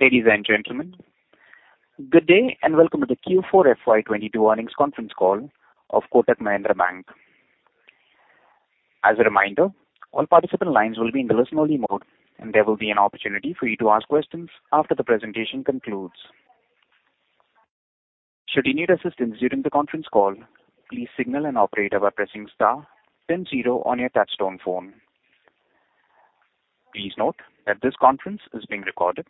Ladies and gentlemen, good day, and welcome to the Q4 FY22 earnings conference call of Kotak Mahindra Bank. As a reminder, all participant lines will be in the listen only mode, and there will be an opportunity for you to ask questions after the presentation concludes. Should you need assistance during the conference call, please signal an operator by pressing star then zero on your touchtone phone. Please note that this conference is being recorded.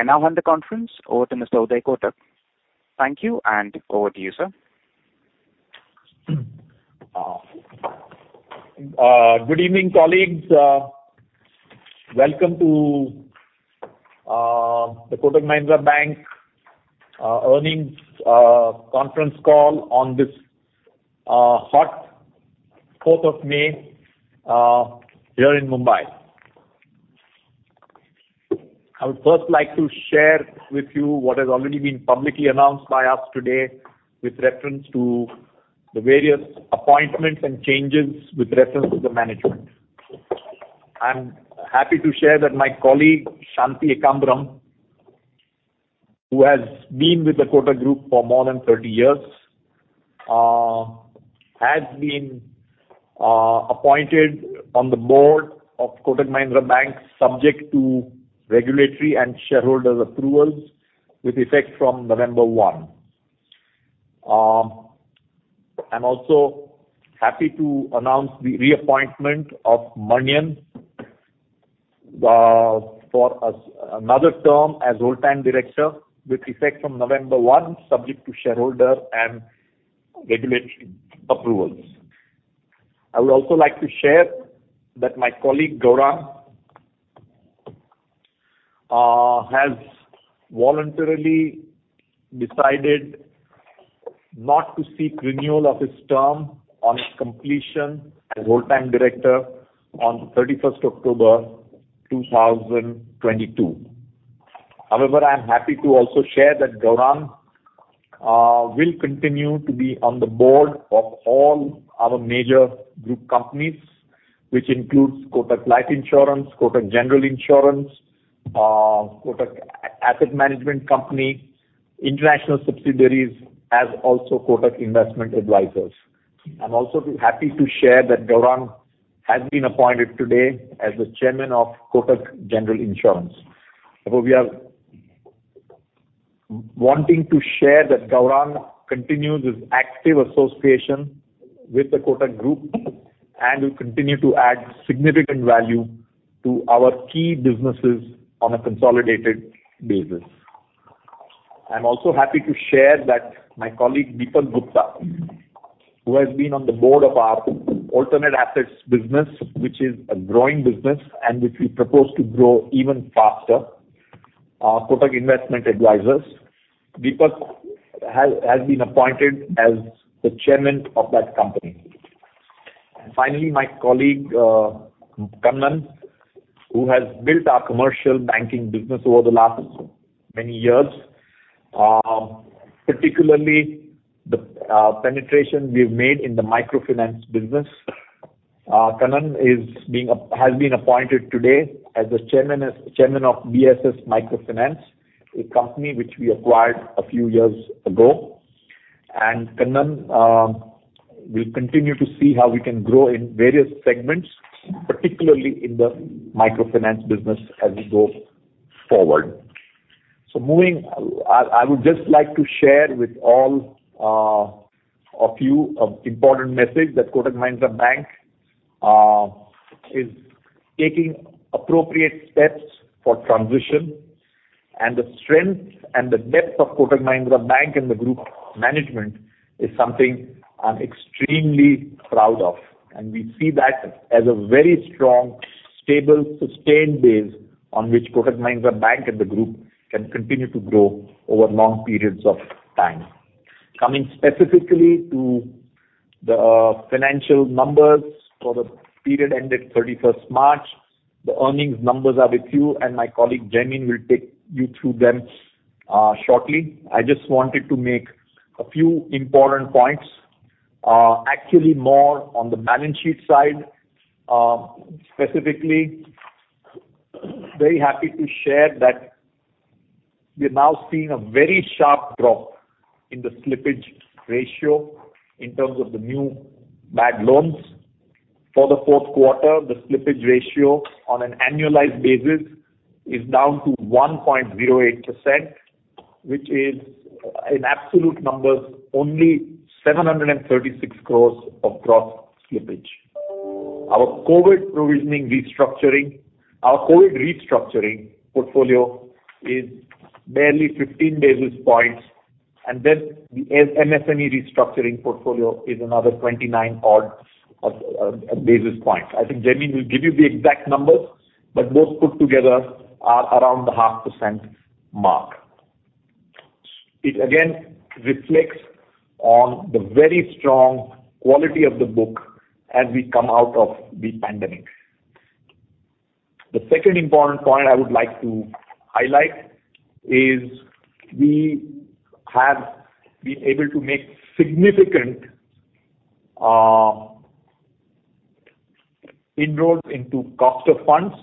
I now hand the conference over to Mr. Uday Kotak. Thank you, and over to you, sir. Good evening, colleagues. Welcome to the Kotak Mahindra Bank earnings conference call on this hot fourth of May here in Mumbai. I would first like to share with you what has already been publicly announced by us today with reference to the various appointments and changes with reference to the management. I'm happy to share that my colleague, Shanti Ekambaram, who has been with the Kotak Group for more than 30 years, has been appointed on the board of Kotak Mahindra Bank, subject to regulatory and shareholder approvals with effect from November 1. I'm also happy to announce the reappointment of Manian for another term as Whole-Time Director with effect from November 1, subject to shareholder and regulatory approvals. I would also like to share that my colleague, Gaurang, has voluntarily decided not to seek renewal of his term on his completion as whole-time director on 31st October 2022. However, I am happy to also share that Gaurang will continue to be on the board of all our major group companies, which includes Kotak Life Insurance, Kotak General Insurance, Kotak Asset Management Company, international subsidiaries, as also Kotak Investment Advisors. I'm also happy to share that Gaurang has been appointed today as the chairman of Kotak General Insurance. We are wanting to share that Gaurang continues his active association with the Kotak Group and will continue to add significant value to our key businesses on a consolidated basis. I'm happy to share that my colleague, Dipak Gupta, who has been on the board of our alternate assets business, which is a growing business and which we propose to grow even faster, Kotak Investment Advisors. Dipak has been appointed as the chairman of that company. Finally, my colleague, Kannan, who has built our commercial banking business over the last many years, particularly the penetration we've made in the microfinance business. Kannan has been appointed today as chairman of BSS Microfinance, a company which we acquired a few years ago. Kannan will continue to see how we can grow in various segments, particularly in the microfinance business as we go forward. Moving... I would just like to share with all of you an important message that Kotak Mahindra Bank is taking appropriate steps for transition and the strength and the depth of Kotak Mahindra Bank and the group management is something I'm extremely proud of, and we see that as a very strong, stable, sustained base on which Kotak Mahindra Bank and the group can continue to grow over long periods of time. Coming specifically to the financial numbers for the period ended 31st March. The earnings numbers are with you and my colleague, Jaimin, will take you through them shortly. I just wanted to make a few important points, actually more on the balance sheet side. Specifically, very happy to share that we are now seeing a very sharp drop in the slippage ratio in terms of the new bad loans. For the fourth quarter, the slippage ratio on an annualized basis is down to 1.08%, which is in absolute numbers, only 736 crore of gross slippage. Our COVID restructuring portfolio is barely 15 basis points, and then the MSME restructuring portfolio is another 29 odd basis points. I think Jaimin will give you the exact numbers, but those put together are around the 0.5% mark. It again reflects on the very strong quality of the book as we come out of the pandemic. The second important point I would like to highlight is we have been able to make significant reduction in cost of funds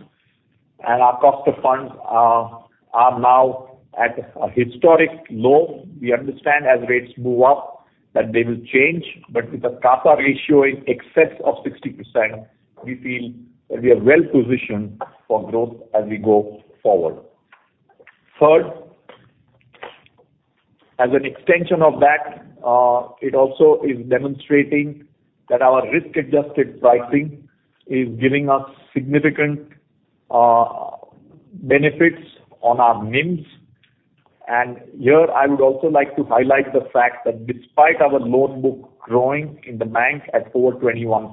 and our cost of funds are now at a historic low. We understand as rates move up that they will change. With the CASA ratio in excess of 60%, we feel that we are well-positioned for growth as we go forward. Third, as an extension of that, it also is demonstrating that our risk-adjusted pricing is giving us significant benefits on our NIMs. Here, I would also like to highlight the fact that despite our loan book growing in the bank at over 21%,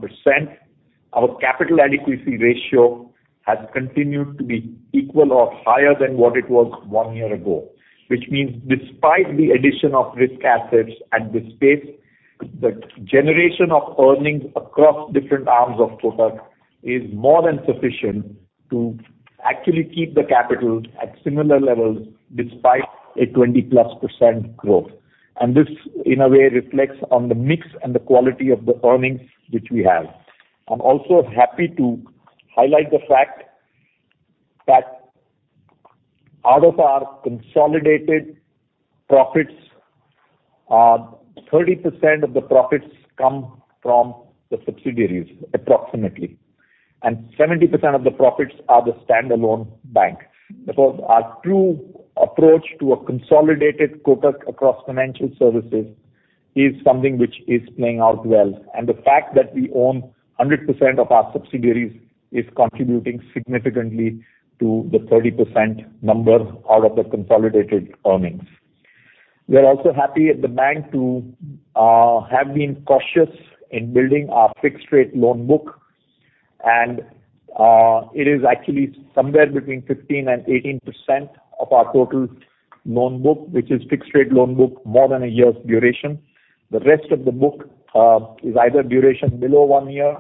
our capital adequacy ratio has continued to be equal or higher than what it was one year ago. Which means despite the addition of risk assets at this pace, the generation of earnings across different arms of Kotak is more than sufficient to actually keep the capital at similar levels despite a 20+% growth. This, in a way, reflects on the mix and the quality of the earnings which we have. I'm also happy to highlight the fact that out of our consolidated profits, 30% of the profits come from the subsidiaries approximately, and 70% of the profits are the standalone bank. Therefore, our true approach to a consolidated Kotak across financial services is something which is playing out well. The fact that we own 100% of our subsidiaries is contributing significantly to the 30% number out of the consolidated earnings. We are also happy at the bank to have been cautious in building our fixed rate loan book, and it is actually somewhere between 15%-18% of our total loan book, which is fixed rate loan book, more than a year's duration. The rest of the book is either duration below one year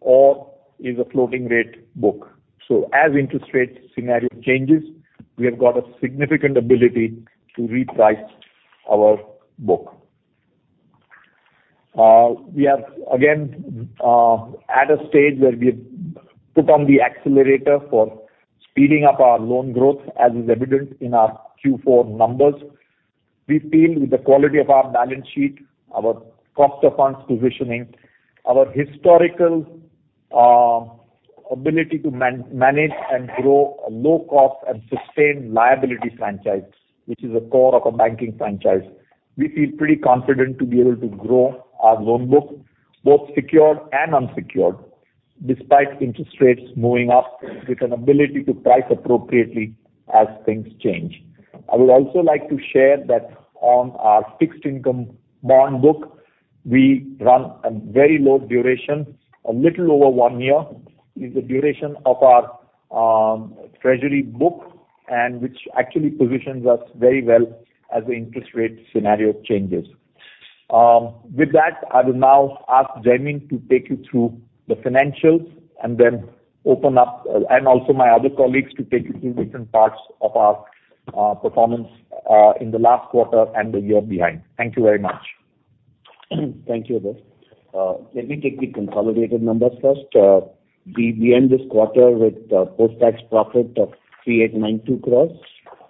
or is a floating rate book. As interest rate scenario changes, we have got a significant ability to reprice our book. We are again at a stage where we have put on the accelerator for speeding up our loan growth, as is evident in our Q4 numbers. We feel with the quality of our balance sheet, our cost of funds positioning, our historical ability to manage and grow a low cost and sustained liability franchise, which is a core of a banking franchise. We feel pretty confident to be able to grow our loan book, both secured and unsecured, despite interest rates moving up with an ability to price appropriately as things change. I would also like to share that on our fixed income bond book, we run a very low duration. A little over one year is the duration of our treasury book, and which actually positions us very well as the interest rate scenario changes. With that, I will now ask Jaimin to take you through the financials and then open up, and also my other colleagues to take you through different parts of our performance in the last quarter and the year behind. Thank you very much. Thank you, Uday Kotak. Let me take the consolidated numbers first. We end this quarter with post-tax profit of 3892 crore,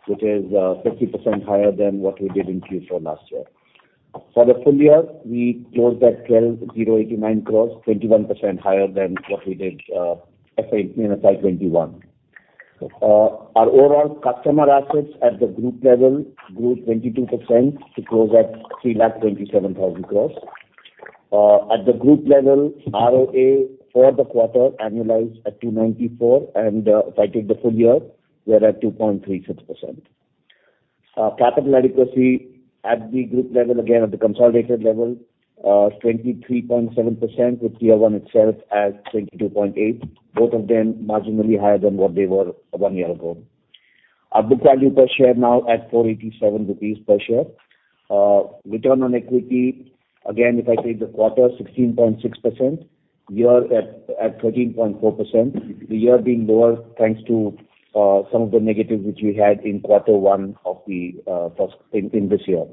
which is 50% higher than what we did in Q4 last year. For the full year, we closed at 12,089 crore, 21% higher than what we did in FY 2021. Our overall customer assets at the group level grew 22% to close at 3,27,000 crore. At the group level, ROA for the quarter annualized at 2.94%, and if I take the full year, we are at 2.36%. Capital adequacy at the group level, again at the consolidated level, 23.7%, with Tier 1 itself at 22.8, both of them marginally higher than what they were one year ago. Our book value per share now at INR 487 per share. Return on equity, again, if I take the quarter, 16.6%. Year at 13.4%. The year being lower, thanks to some of the negatives which we had in quarter one of this year.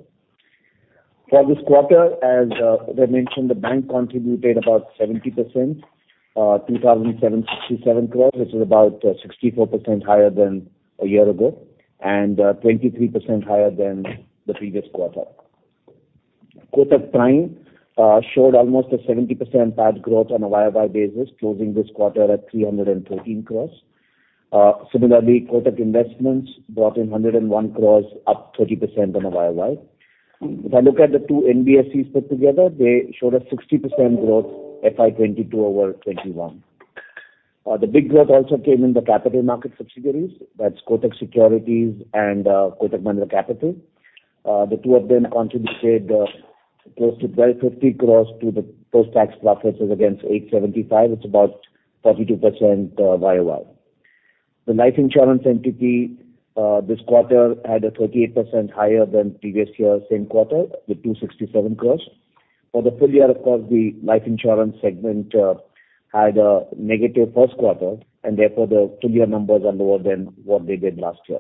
For this quarter, as Uday Kotak mentioned, the bank contributed about 70%, 2,767 crores, which is about 64% higher than a year ago and 23% higher than the previous quarter. Kotak Prime showed almost a 70% PAT growth on a YOY basis, closing this quarter at 313 crores. Similarly, Kotak Investments brought in 101 crores, up 30% on a YOY. If I look at the two NBFCs put together, they showed a 60% growth FY 2022 over 2021. The big growth also came in the capital market subsidiaries. That's Kotak Securities and Kotak Mahindra Capital. The two of them contributed close to 1,250 crores to the post-tax profits as against 875. It's about 42% YOY. The life insurance entity this quarter had a 38% higher than previous year's same quarter with 267 crores. For the full year, of course, the life insurance segment had a negative first quarter, and therefore the full year numbers are lower than what they did last year.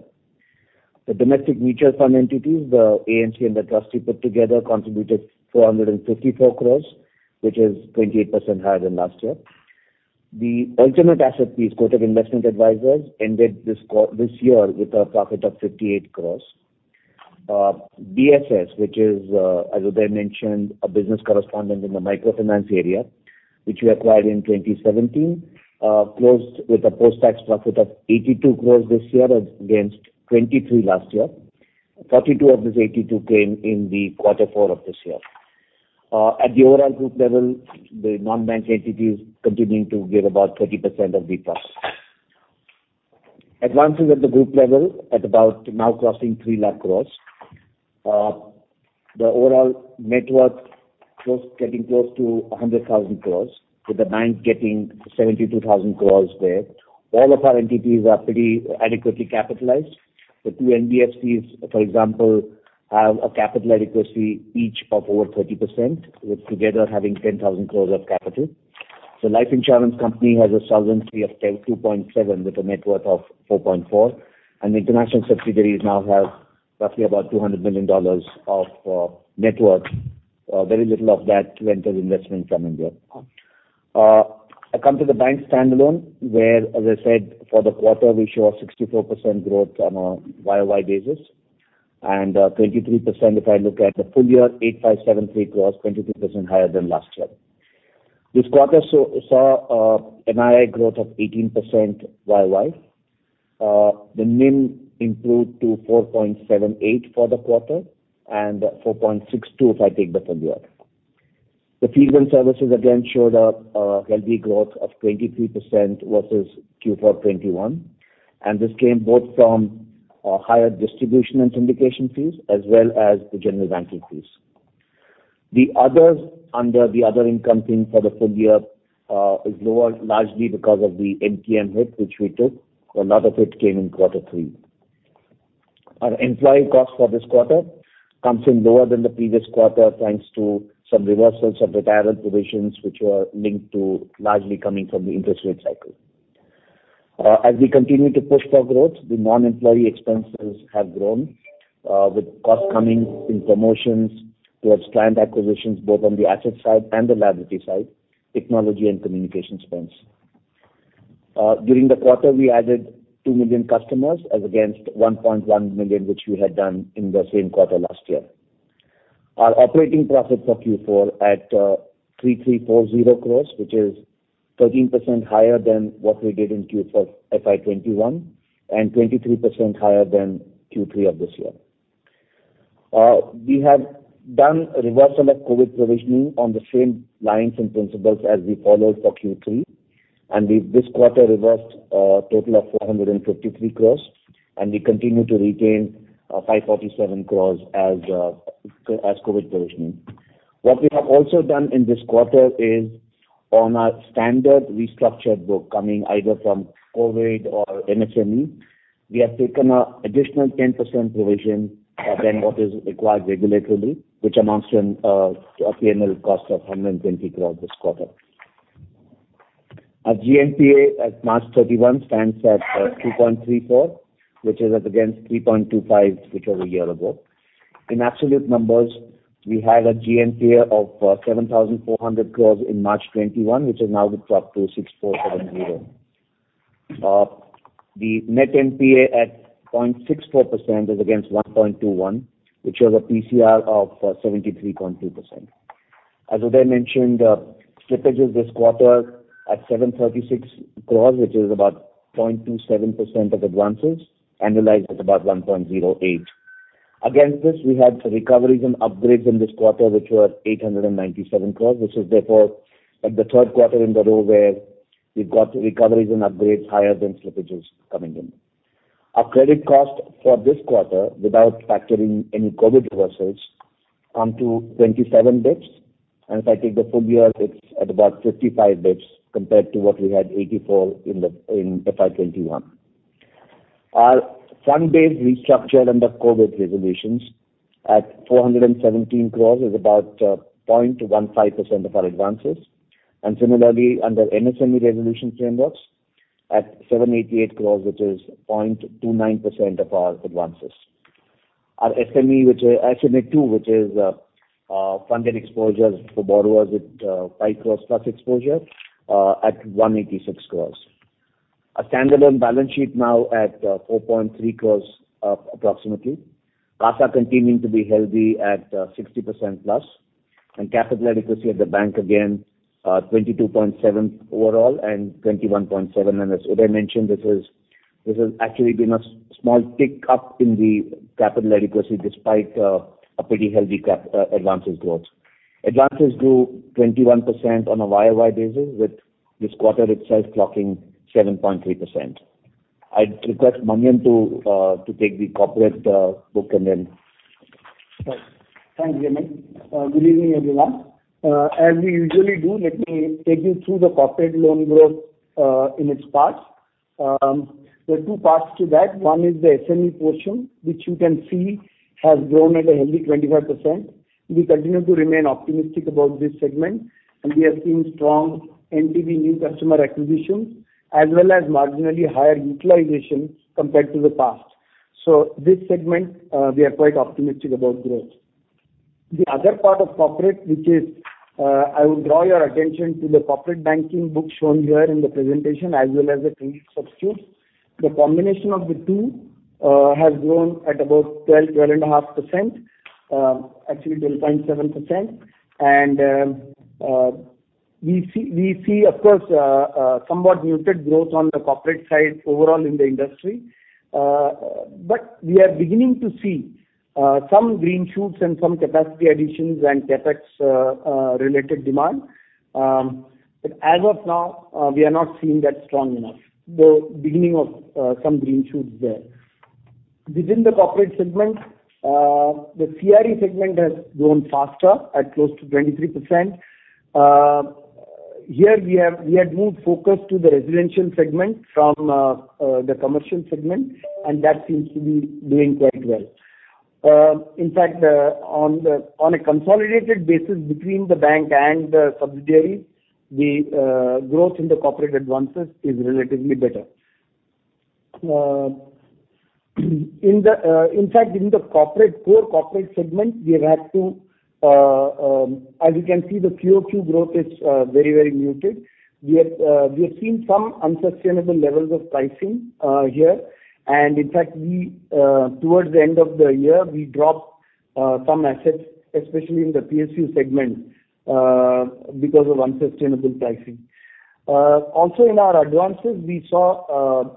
The domestic mutual fund entities, the AMC and the trustee put together contributed 454 crores, which is 28% higher than last year. The alternate assets, Kotak Investment Advisors ended this year with a profit of 58 crore. BSS, which is, as Uday mentioned, a business correspondent in the microfinance area, which we acquired in 2017, closed with a post-tax profit of 82 crore this year as against 23 crore last year. 32 crore of this 82 crore came in quarter four of this year. At the overall group level, the non-bank entities continuing to give about 30% of the profits. Advances at the group level now crossing 3 lakh crore. The overall net worth getting close to 100,000 crore, with the bank getting 72,000 crore there. All of our entities are pretty adequately capitalized. The two NBFCs, for example, have a capital adequacy each of over 30%, with together having 10,000 crore of capital. The life insurance company has a solvency of 2.7 with a net worth of 4.4, and international subsidiaries now have roughly about $200 million of net worth. Very little of that went as investment from India. I come to the bank standalone, where, as I said, for the quarter we show a 64% growth on a YOY basis and 23% if I look at the full year, 8,573 crore, 23% higher than last year. This quarter saw NII growth of 18% YOY. The NIM improved to 4.78% for the quarter and 4.62% if I take the full year. The fee-based services again showed a healthy growth of 23% versus Q4 2021, and this came both from higher distribution and syndication fees as well as the general banking fees. The others under the other income thing for the full year is lower largely because of the NPM hit which we took. A lot of it came in quarter three. Our employee cost for this quarter comes in lower than the previous quarter, thanks to some reversals of retirement provisions which were linked to largely coming from the interest rate cycle. As we continue to push for growth, the non-employee expenses have grown, with cost coming in promotions towards client acquisitions, both on the asset side and the liability side, technology and communication expense. During the quarter, we added 2 million customers as against 1.1 million, which we had done in the same quarter last year. Our operating profit for Q4 at 3,340 crores, which is 13% higher than what we did in Q4 FY 2021 and 23% higher than Q3 of this year. We have done a reversal of COVID provisioning on the same lines and principles as we followed for Q3 and we this quarter reversed a total of 453 crores and we continue to retain 547 crores as COVID provisioning. What we have also done in this quarter is on our standard restructured book coming either from COVID or MSME, we have taken an additional 10% provision than what is required regulatorily, which amounts to a P&L cost of 120 crores this quarter. Our GNPA at March 31 stands at 2.34, which is up against 3.25, which was a year ago. In absolute numbers, we had a GNPA of 7,400 crores in March 2021, which has now dropped to 6,470 crores. The net NPA at 0.64% is against 1.21%, which has a PCR of 73.2%. As Uday mentioned, slippages this quarter at 736 crores, which is about 0.27% of advances, annualized at about 1.08%. Against this, we had recoveries and upgrades in this quarter, which were 897 crores, which is therefore the third quarter in a row where we've got recoveries and upgrades higher than slippages coming in. Our credit cost for this quarter without factoring any COVID reversals come to 27 basis points, and if I take the full year, it's at about 55 basis points compared to what we had, 84 basis points in FY 2021. Our fund-based restructure under COVID resolutions at 417 crore is about 0.15% of our advances. Similarly under MSME resolution frameworks at 788 crore, which is 0.29% of our advances. Our SMA-2, which is funded exposures for borrowers at 5 crore+ exposure, at 186 crore. Our standalone balance sheet now at 4.3 crore approximately. CASA continuing to be healthy at 60%+ and capital adequacy at the bank again 22.7 overall and 21.7. As Uday mentioned, this has actually been a small tick up in the capital adequacy despite a pretty healthy advances growth. Advances grew 21% on a YOY basis, with this quarter itself clocking 7.3%. I'd request K.V.S. Manian to take the corporate book and then. Thanks, Jaimin. Good evening, everyone. As we usually do, let me take you through the corporate loan growth in its parts. There are two parts to that. One is the SME portion, which you can see has grown at a healthy 25%. We continue to remain optimistic about this segment, and we have seen strong NTB new customer acquisition as well as marginally higher utilization compared to the past. This segment, we are quite optimistic about growth. The other part of corporate which is, I would draw your attention to the corporate banking book shown here in the presentation as well as the trading substitutes. The combination of the two has grown at about 12.5%, actually 12.7%. We see of course somewhat muted growth on the corporate side overall in the industry. We are beginning to see some green shoots and some capacity additions and CapEx related demand. As of now, we are not seeing that strong enough, the beginning of some green shoots there. Within the corporate segment, the CRE segment has grown faster at close to 23%. Here we have moved focus to the residential segment from the commercial segment, and that seems to be doing quite well. In fact, on a consolidated basis between the bank and the subsidiaries, the growth in the corporate advances is relatively better. In fact, in the corporate core corporate segment, we have had to, as you can see the QOQ growth is very muted. We have seen some unsustainable levels of pricing here. In fact, towards the end of the year, we dropped some assets, especially in the PSU segment, because of unsustainable pricing. Also in our advances, we saw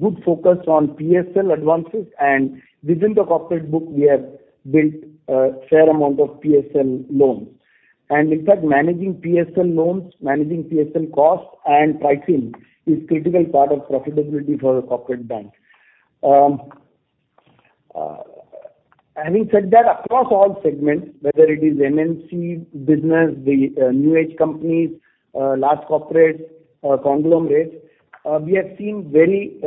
good focus on PSL advances and within the corporate book we have built a fair amount of PSL loans. In fact, managing PSL loans, costs and pricing is critical part of profitability for a corporate bank. Having said that, across all segments, whether it is MNC business, the new age companies, large corporates or conglomerates, we have seen very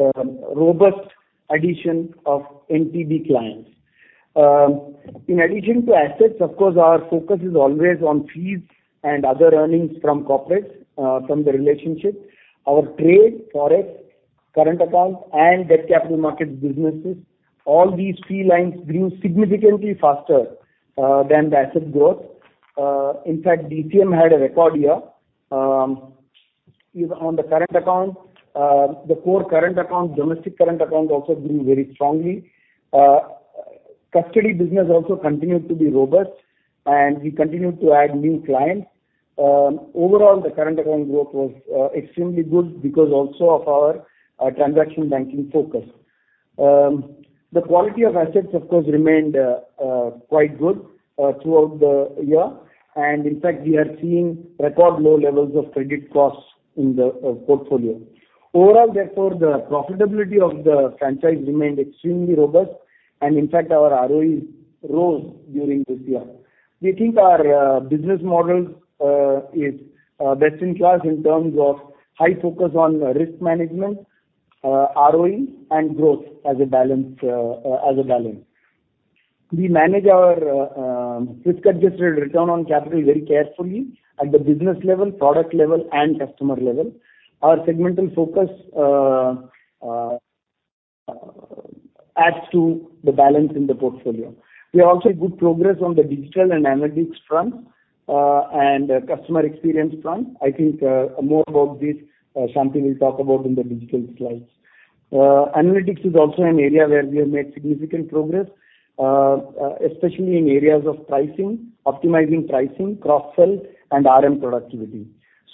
robust addition of NTB clients. In addition to assets, of course, our focus is always on fees and other earnings from corporates, from the relationship. Our trade, Forex, current account and debt capital markets businesses, all these fee lines grew significantly faster than the asset growth. In fact, DCM had a record year. On the current account, the core current account, domestic current account also grew very strongly. Custody business also continued to be robust and we continued to add new clients. Overall, the current account growth was extremely good because also of our transaction banking focus. The quality of assets of course remained quite good throughout the year, and in fact we are seeing record low levels of credit costs in the portfolio. Overall, therefore, the profitability of the franchise remained extremely robust and in fact our ROE rose during this year. We think our business model is best in class in terms of high focus on risk management, ROE and growth as a balance. We manage our risk-adjusted return on capital very carefully at the business level, product level and customer level. Our segmental focus adds to the balance in the portfolio. We have also good progress on the digital and analytics front and customer experience front. I think more about this, Shanti will talk about in the digital slides. Analytics is also an area where we have made significant progress, especially in areas of pricing, optimizing pricing, cross-sell and RM productivity.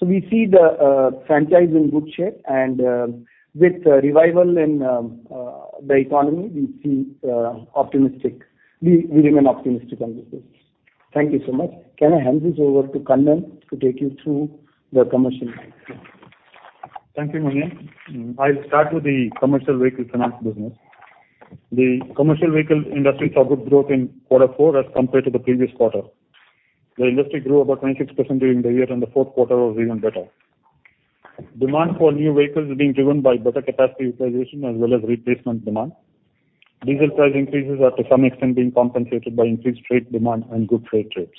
We see the franchise in good shape and, with revival in the economy, we feel optimistic. We remain optimistic on this business. Thank you so much. Can I hand this over to Kannan to take you through the commercial bank? Thank you, Manian. I'll start with the commercial vehicle finance business. The commercial vehicle industry saw good growth in quarter four as compared to the previous quarter. The industry grew about 26% during the year, and the fourth quarter was even better. Demand for new vehicles is being driven by better capacity utilization as well as replacement demand. Diesel price increases are to some extent being compensated by increased trade demand and good freight rates.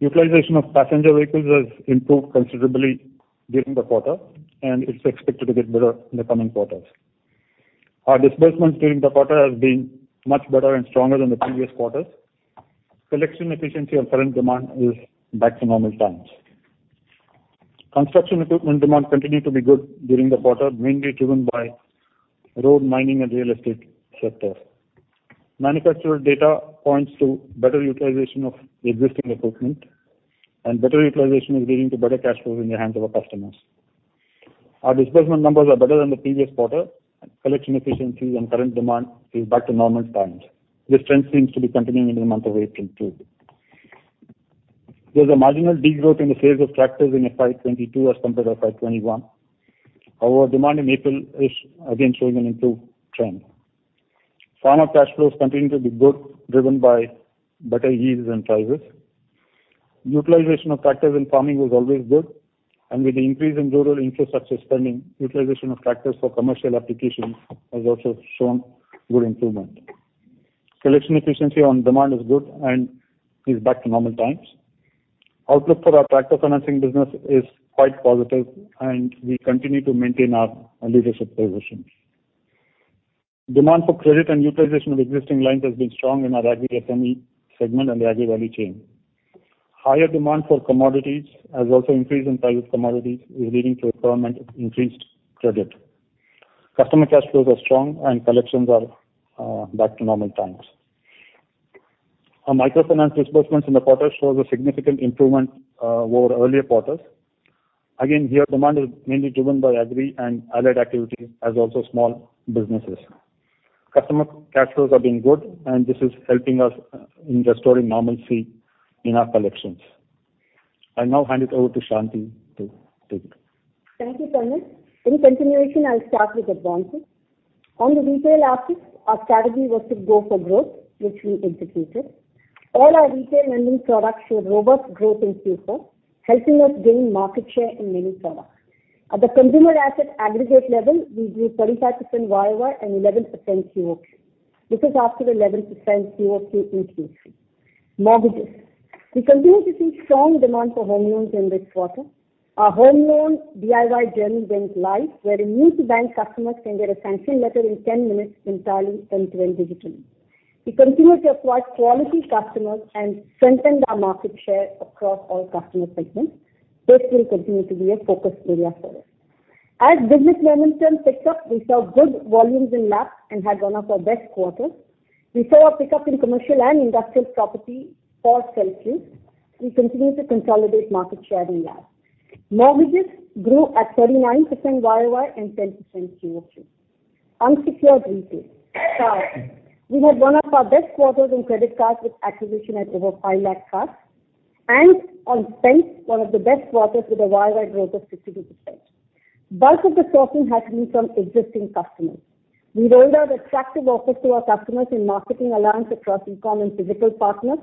Utilization of passenger vehicles has improved considerably during the quarter and it's expected to get better in the coming quarters. Our disbursements during the quarter has been much better and stronger than the previous quarters. Collection efficiency on current demand is back to normal times. Construction equipment demand continued to be good during the quarter, mainly driven by road mining and real estate sector. Manufacturer data points to better utilization of existing equipment and better utilization is leading to better cash flows in the hands of our customers. Our disbursement numbers are better than the previous quarter, and collection efficiency on current demand is back to normal times. This trend seems to be continuing in the month of April too. There's a marginal degrowth in the sales of tractors in FY 2022 as compared to FY 2021. However, demand in April is again showing an improved trend. Farmer cash flows continue to be good, driven by better yields and prices. Utilization of tractors in farming was always good, and with the increase in rural infrastructure spending, utilization of tractors for commercial applications has also shown good improvement. Collection efficiency on demand is good and is back to normal times. Outlook for our tractor financing business is quite positive, and we continue to maintain our leadership positions. Demand for credit and utilization of existing lines has been strong in our agri SME segment and the agri value chain. Higher demand for commodities has also increased the price of commodities, which is leading to a permanent increase in credit. Customer cash flows are strong and collections are back to normal times. Our microfinance disbursements in the quarter shows a significant improvement over earlier quarters. Again, here demand is mainly driven by agri and allied activities as also small businesses. Customer cash flows have been good and this is helping us in restoring normalcy in our collections. I'll now hand it over to Shanti to take. Thank you, Kannan. In continuation, I'll start with advances. On the retail assets, our strategy was to go for growth, which we executed. All our retail lending products showed robust growth in Q4, helping us gain market share in many products. At the consumer asset aggregate level, we grew 35% YOY and 11% QoQ. This is after 11% QoQ increase. Mortgages. We continue to see strong demand for home loans in this quarter. Our home loan DIY journey went live, where new-to-bank customers can get a sanction letter in 10 minutes entirely end-to-end digitally. We continue to acquire quality customers and strengthen our market share across all customer segments. This will continue to be a focus area for us. As business momentum picks up, we saw good volumes in LAPs and had one of our best quarters. We saw a pickup in commercial and industrial property for sale deals. We continue to consolidate market share in LAPs. Mortgages grew at 39% YOY and 10% QoQ. Unsecured retail. We had one of our best quarters in credit cards with acquisition at over 5 lakh cards and on spend, one of the best quarters with a YOY growth of 62%. Bulk of the sourcing has been from existing customers. We rolled out attractive offers to our customers in marketing alliance across e-com and physical partners.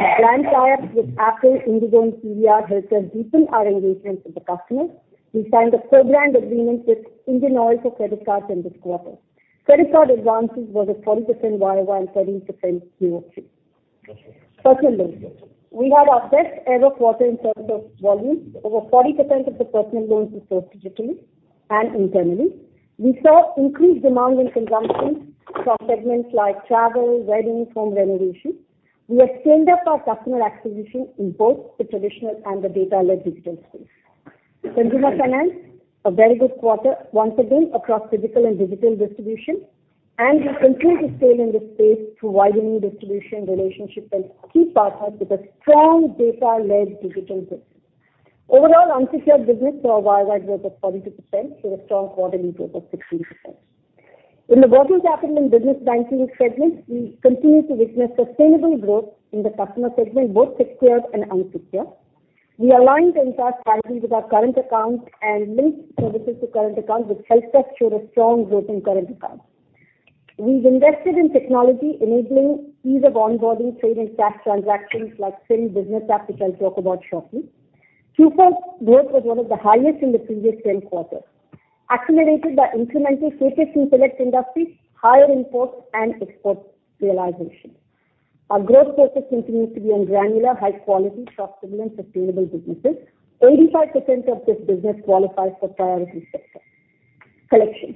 Our brand tie-ups with Apple, IndiGo, and PVR helped us deepen our engagement with the customers. We signed a co-brand agreement with Indian Oil for credit cards in this quarter. Credit card advances was at 40% YOY and 13% QoQ. Personal loans. We had our best ever quarter in terms of volume. Over 40% of the personal loans were sourced digitally and internally. We saw increased demand in consumption from segments like travel, wedding, home renovation. We have scaled up our customer acquisition in both the traditional and the data-led digital space. Consumer finance, a very good quarter once again across physical and digital distribution, and we continue to scale in this space through widening distribution relationships and key partners with a strong data-led digital base. Overall unsecured business saw a YOY growth of 42% with a strong quarterly growth of 16%. In the working capital and business banking segment, we continue to witness sustainable growth in the customer segment, both secured and unsecured. We aligned Intact's strategy with our current account and linked services to current accounts, which helped us show a strong growth in current accounts. We've invested in technology enabling ease of onboarding trade and cash transactions like FYN Business App, which I'll talk about shortly. Q4 growth was one of the highest in the previous 10 quarters, accelerated by incremental focus in select industries, higher imports and export realization. Our growth focus continues to be on granular, high-quality, profitable, and sustainable businesses. 85% of this business qualifies for priority sector. Collections.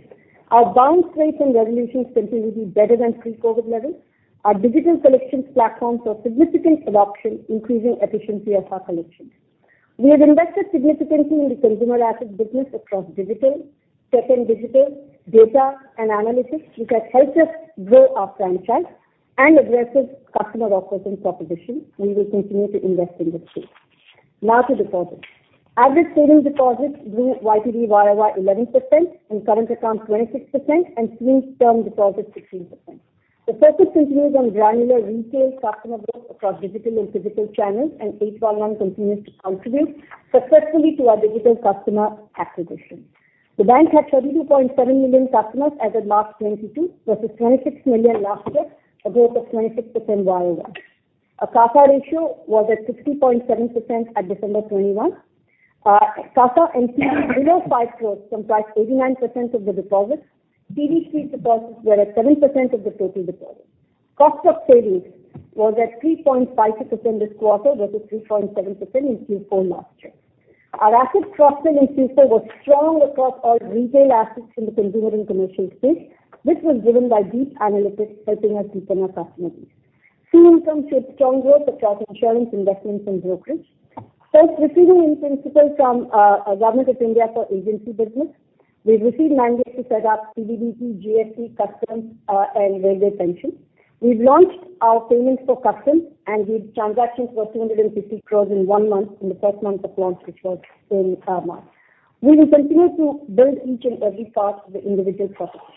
Our bounce rates and resolutions continue to be better than pre-COVID levels. Our digital collections platforms saw significant adoption, increasing efficiency of our collections. We have invested significantly in the consumer asset business across digital, tech and digital, data and analytics, which has helped us grow our franchise and aggressive customer offerings proposition. We will continue to invest in this space. Now to deposits. Average savings deposits grew YTD YOY 11%, and current accounts 26% and sweep term deposits 16%. The focus continues on granular retail customer growth across digital and physical channels, and 811 continues to contribute successfully to our digital customer acquisition. The bank had 32.7 million customers as at March 2022 versus 26 million last year, a growth of 26% YOY. Our CASA ratio was at 60.7% at December 2021. CASA and CD below 5 crore comprised 89% of the deposits. CD sweep deposits were at 7% of the total deposits. Cost of savings was at 3.56% this quarter versus 3.7% in Q4 last year. Our asset quality in Q4 was strong across all retail assets in the consumer and commercial space. This was driven by deep analytics helping us deepen our customer base. Fee incomes showed strong growth across insurance, investments and brokerage. First, receiving in-principle from Government of India for agency business. We've received mandate to set up TDPP, GST, Customs and Railway Pension. We've launched our payments for Customs, and the transactions were 250 crore in one month, in the first month of launch, which was in March. We will continue to build each and every part of the individual proposition.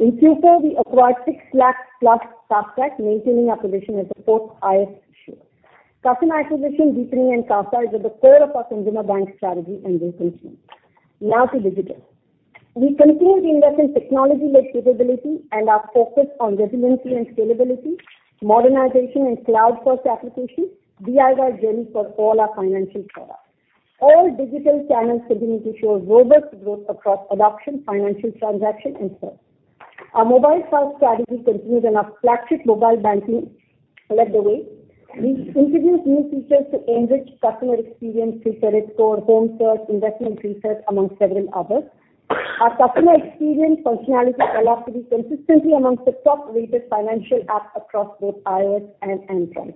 In Q4, we acquired 600,000+ customer, maintaining our position as the fourth highest issuer. Customer acquisition, deepening, and CASA is at the core of our consumer bank strategy and will continue. Now to digital. We continue to invest in technology-led capability and are focused on resiliency and scalability, modernization and cloud-first applications, DI journey for all our financial products. All digital channels continue to show robust growth across adoption, financial transactions and sales. Our mobile-first strategy continues and our flagship mobile banking led the way. We introduced new features to enrich customer experience through credit score, home search, investment research, among several others. Our customer experience, functionality and velocity consistently among the top-rated financial apps across both iOS and Android.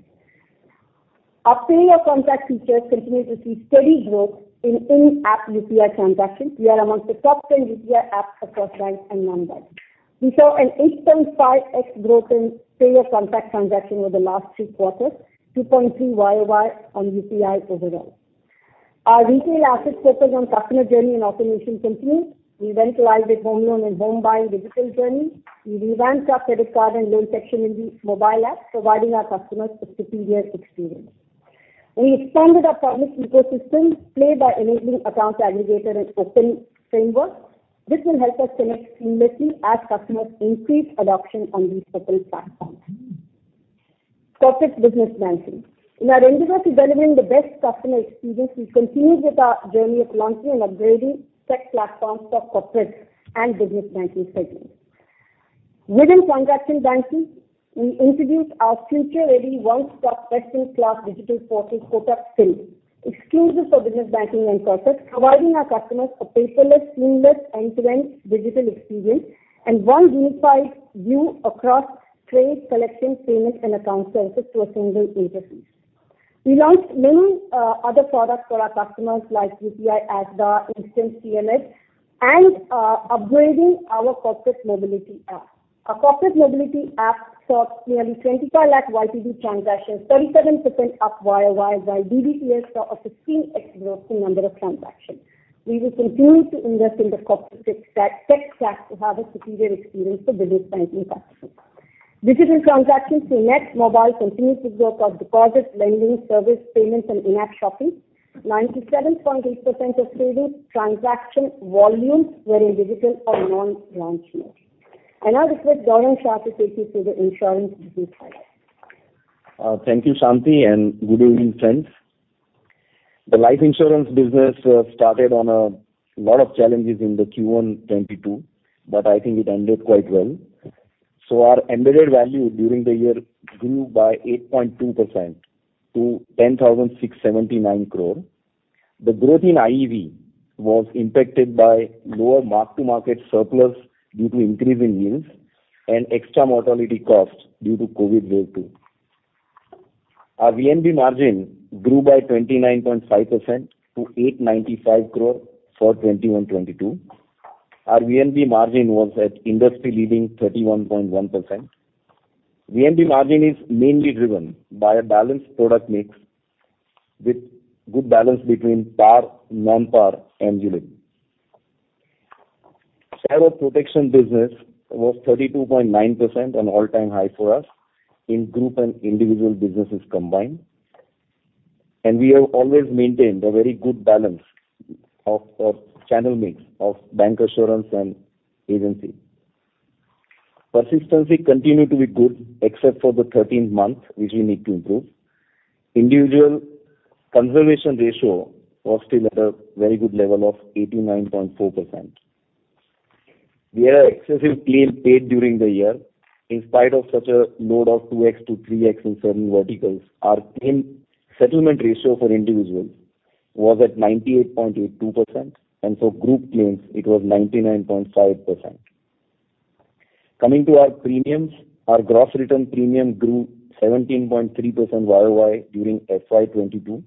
Our pay to contact features continue to see steady growth in in-app UPI transactions. We are among the top 10 UPI apps across banks and non-banks. We saw an 8.5x growth in pay to contact transactions over the last three quarters, 2.3 YOY on UPI overall. Our retail assets focus on customer journey and automation continues. We went live with home loan and home buying digital journey. We revamped our credit card and loan section in the mobile app, providing our customers a superior experience. We expanded our partners ecosystem play by enabling Account Aggregator and open framework. This will help us connect seamlessly as customers increase adoption on these partners platforms. Corporate business banking. In our endeavor to delivering the best customer experience, we continued with our journey of launching and upgrading tech platforms for corporate and business banking segments. Within transaction banking, we introduced our future-ready one-stop best-in-class digital portal, Kotak FYN, Exclusive for business banking and corporate, providing our customers a paperless, seamless, end-to-end digital experience and one unified view across trade, collection, payment and account services through a single interface. We launched many other products for our customers like UPI, ASBA, instant CMS and upgrading our corporate mobility app. Our corporate mobility app saw nearly 25 lakh YTD transactions, 37% up YOY, while DBTs saw a 15x growth in number of transactions. We will continue to invest in the corporate tech stack to have a superior experience for business banking customers. Digital transactions through Nex mobile continued to grow across deposits, lending, service, payments and in-app shopping. 97.8% of savings transaction volumes were in digital or non-branch mode. Now request Gaurang Shah to take you through the insurance business side. Thank you, Shanti, and good evening, friends. The life insurance business started on a lot of challenges in Q1 2022, but I think it ended quite well. Our embedded value during the year grew by 8.2% to 10,679 crore. The growth in IEV was impacted by lower mark-to-market surplus due to increase in yields and extra mortality costs due to COVID wave two. Our VNB margin grew by 29.5% to 895 crore for 2021-2022. Our VNB margin was at industry-leading 31.1%. VNB margin is mainly driven by a balanced product mix with good balance between par, non-par and ULIP. Share of protection business was 32.9%, an all-time high for us in group and individual businesses combined. We have always maintained a very good balance of channel mix of bank assurance and agency. Persistency continued to be good except for the 13th month, which we need to improve. Individual conservation ratio was still at a very good level of 89.4%. We had excessive claim paid during the year. In spite of such a load of 2x to 3x in certain verticals, our claim settlement ratio for individuals was at 98.82%, and for group claims it was 99.5%. Coming to our premiums, our gross written premium grew 17.3% YOY during FY 2022.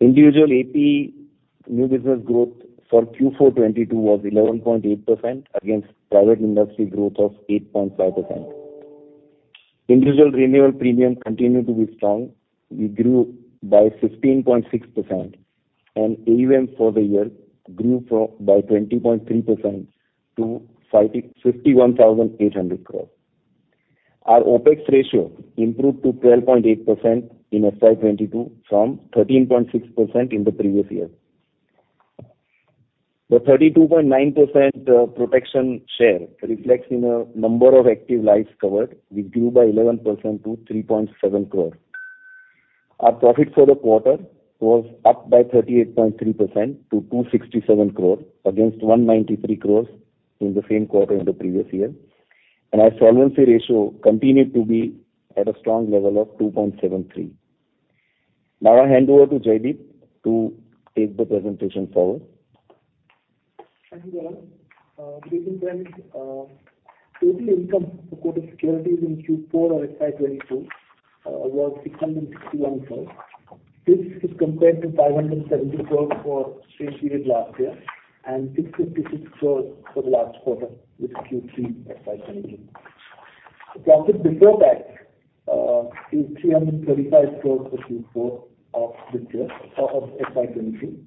Individual AP new business growth for Q4 2022 was 11.8% against private industry growth of 8.5%. Individual renewal premium continued to be strong. We grew by 16.6% and AUM for the year grew by 20.3% to 51,800 crore. Our OpEx ratio improved to 12.8% in FY 2022 from 13.6% in the previous year. The 32.9% protection share reflects in a number of active lives covered, which grew by 11% to 3.7 crore. Our profit for the quarter was up by 38.3% to 267 crore against 193 crore in the same quarter in the previous year, and our solvency ratio continued to be at a strong level of 2.73. Now I hand over to Jaideep to take the presentation forward. Thank you, Gaurang. Good evening. Total income for Kotak Securities in Q4 or FY 2022 was 661 crore. This is compared to 570 crore for same period last year and 656 crore for the last quarter with Q3 FY 2022. The profit before tax is 335 crore for Q4 of this year or of FY 2022,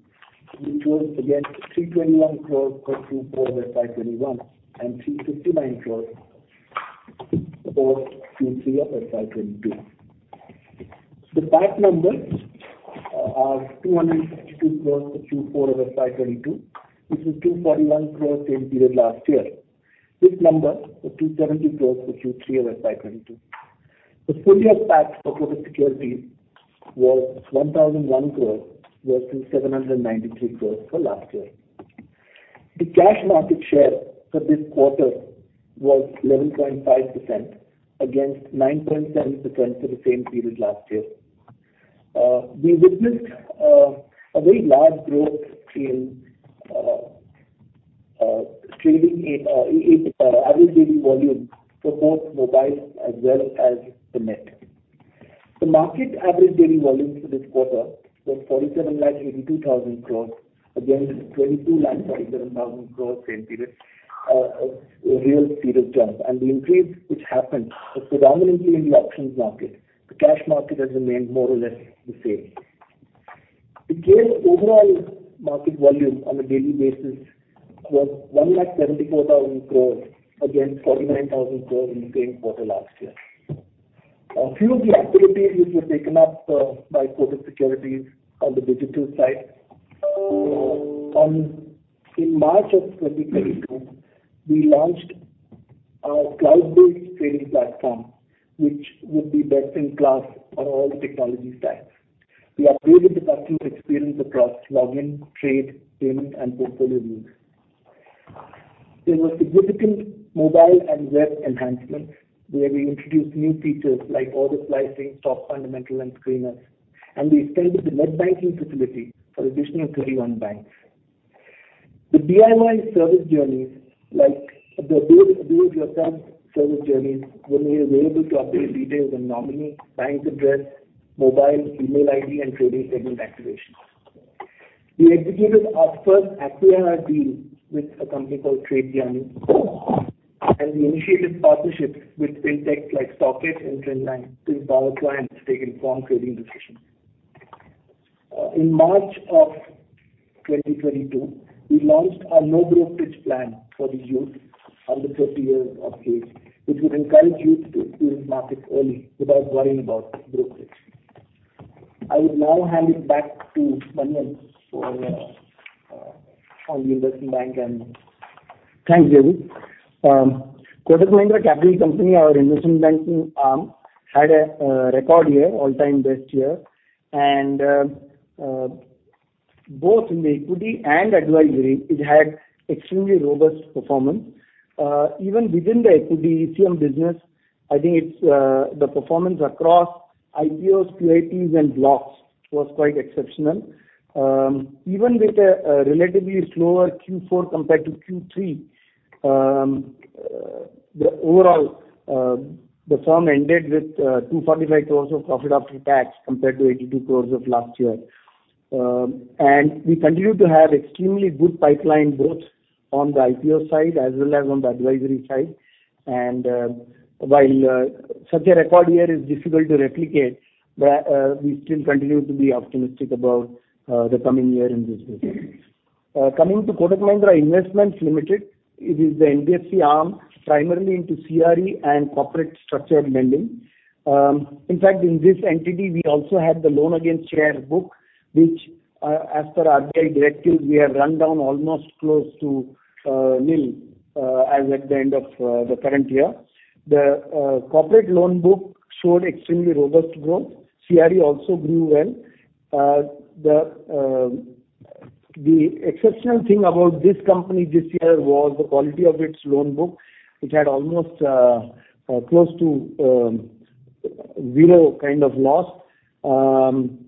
which was against 321 crore for Q4 FY 2021 and 359 crore for Q3 of FY 2022. The PAT numbers are INR 262 crore for Q4 of FY 2022, which was 241 crore same period last year. This number was 270 crore for Q3 of FY 2022. The full year PAT for Kotak Securities was 1,001 crore versus 793 crore for last year. The cash market share for this quarter was 11.5% against 9.7% for the same period last year. We witnessed a very large growth in trading in average daily volume for both mobile as well as the web. The market average daily volumes for this quarter was 47.82 lakh crore against 22.47 lakh crore same period. A real serious jump. The increase which happened was predominantly in the options market. The cash market has remained more or less the same. The total overall market volume on a daily basis was 1.74 lakh crore against 49,000 crore in the same quarter last year. A few of the activities which were taken up by Kotak Securities on the digital side. On... In March of 2022, we launched our cloud-based trading platform, which would be best in class on all the technology stacks. We upgraded the customer experience across login, trade, payment, and portfolio views. There were significant mobile and web enhancements, where we introduced new features like order slicing, stock fundamentals and screeners, and we extended the net banking facility for additional 31 banks. The DIY service journeys like the do it yourself service journeys will be available to update details on nominee, bank address, mobile, email ID, and trading segment activations. We executed our first API deal with a company called TradeSmart. We initiated partnerships with fintech like StockEdge and Trendlyne to empower clients to take informed trading decisions. In March of 2022, we launched our no brokerage plan for the youth under 30 years of age, which would encourage youth to experience markets early without worrying about brokerage. I will now hand it back to Manian for our investment bank. Thanks, Kavi. Kotak Mahindra Capital Company, our investment banking arm, had a record year, all-time best year. Both in the equity and advisory, it had extremely robust performance. Even within the equity ECM business, I think it's the performance across IPOs, QIPs and blocks was quite exceptional. Even with a relatively slower Q4 compared to Q3, the overall, the firm ended with 245 crores of profit after tax compared to 82 crores of last year. We continue to have extremely good pipeline growth on the IPO side as well as on the advisory side. While such a record year is difficult to replicate, we still continue to be optimistic about the coming year in this business. Coming to Kotak Mahindra Investments Limited, it is the NBFC arm primarily into CRE and corporate structured lending. In fact, in this entity we also have the loan against share book, which, as per RBI directive, we have run down almost close to nil, as at the end of the current year. The corporate loan book showed extremely robust growth. CRE also grew well. The exceptional thing about this company this year was the quality of its loan book, which had almost close to zero kind of loss.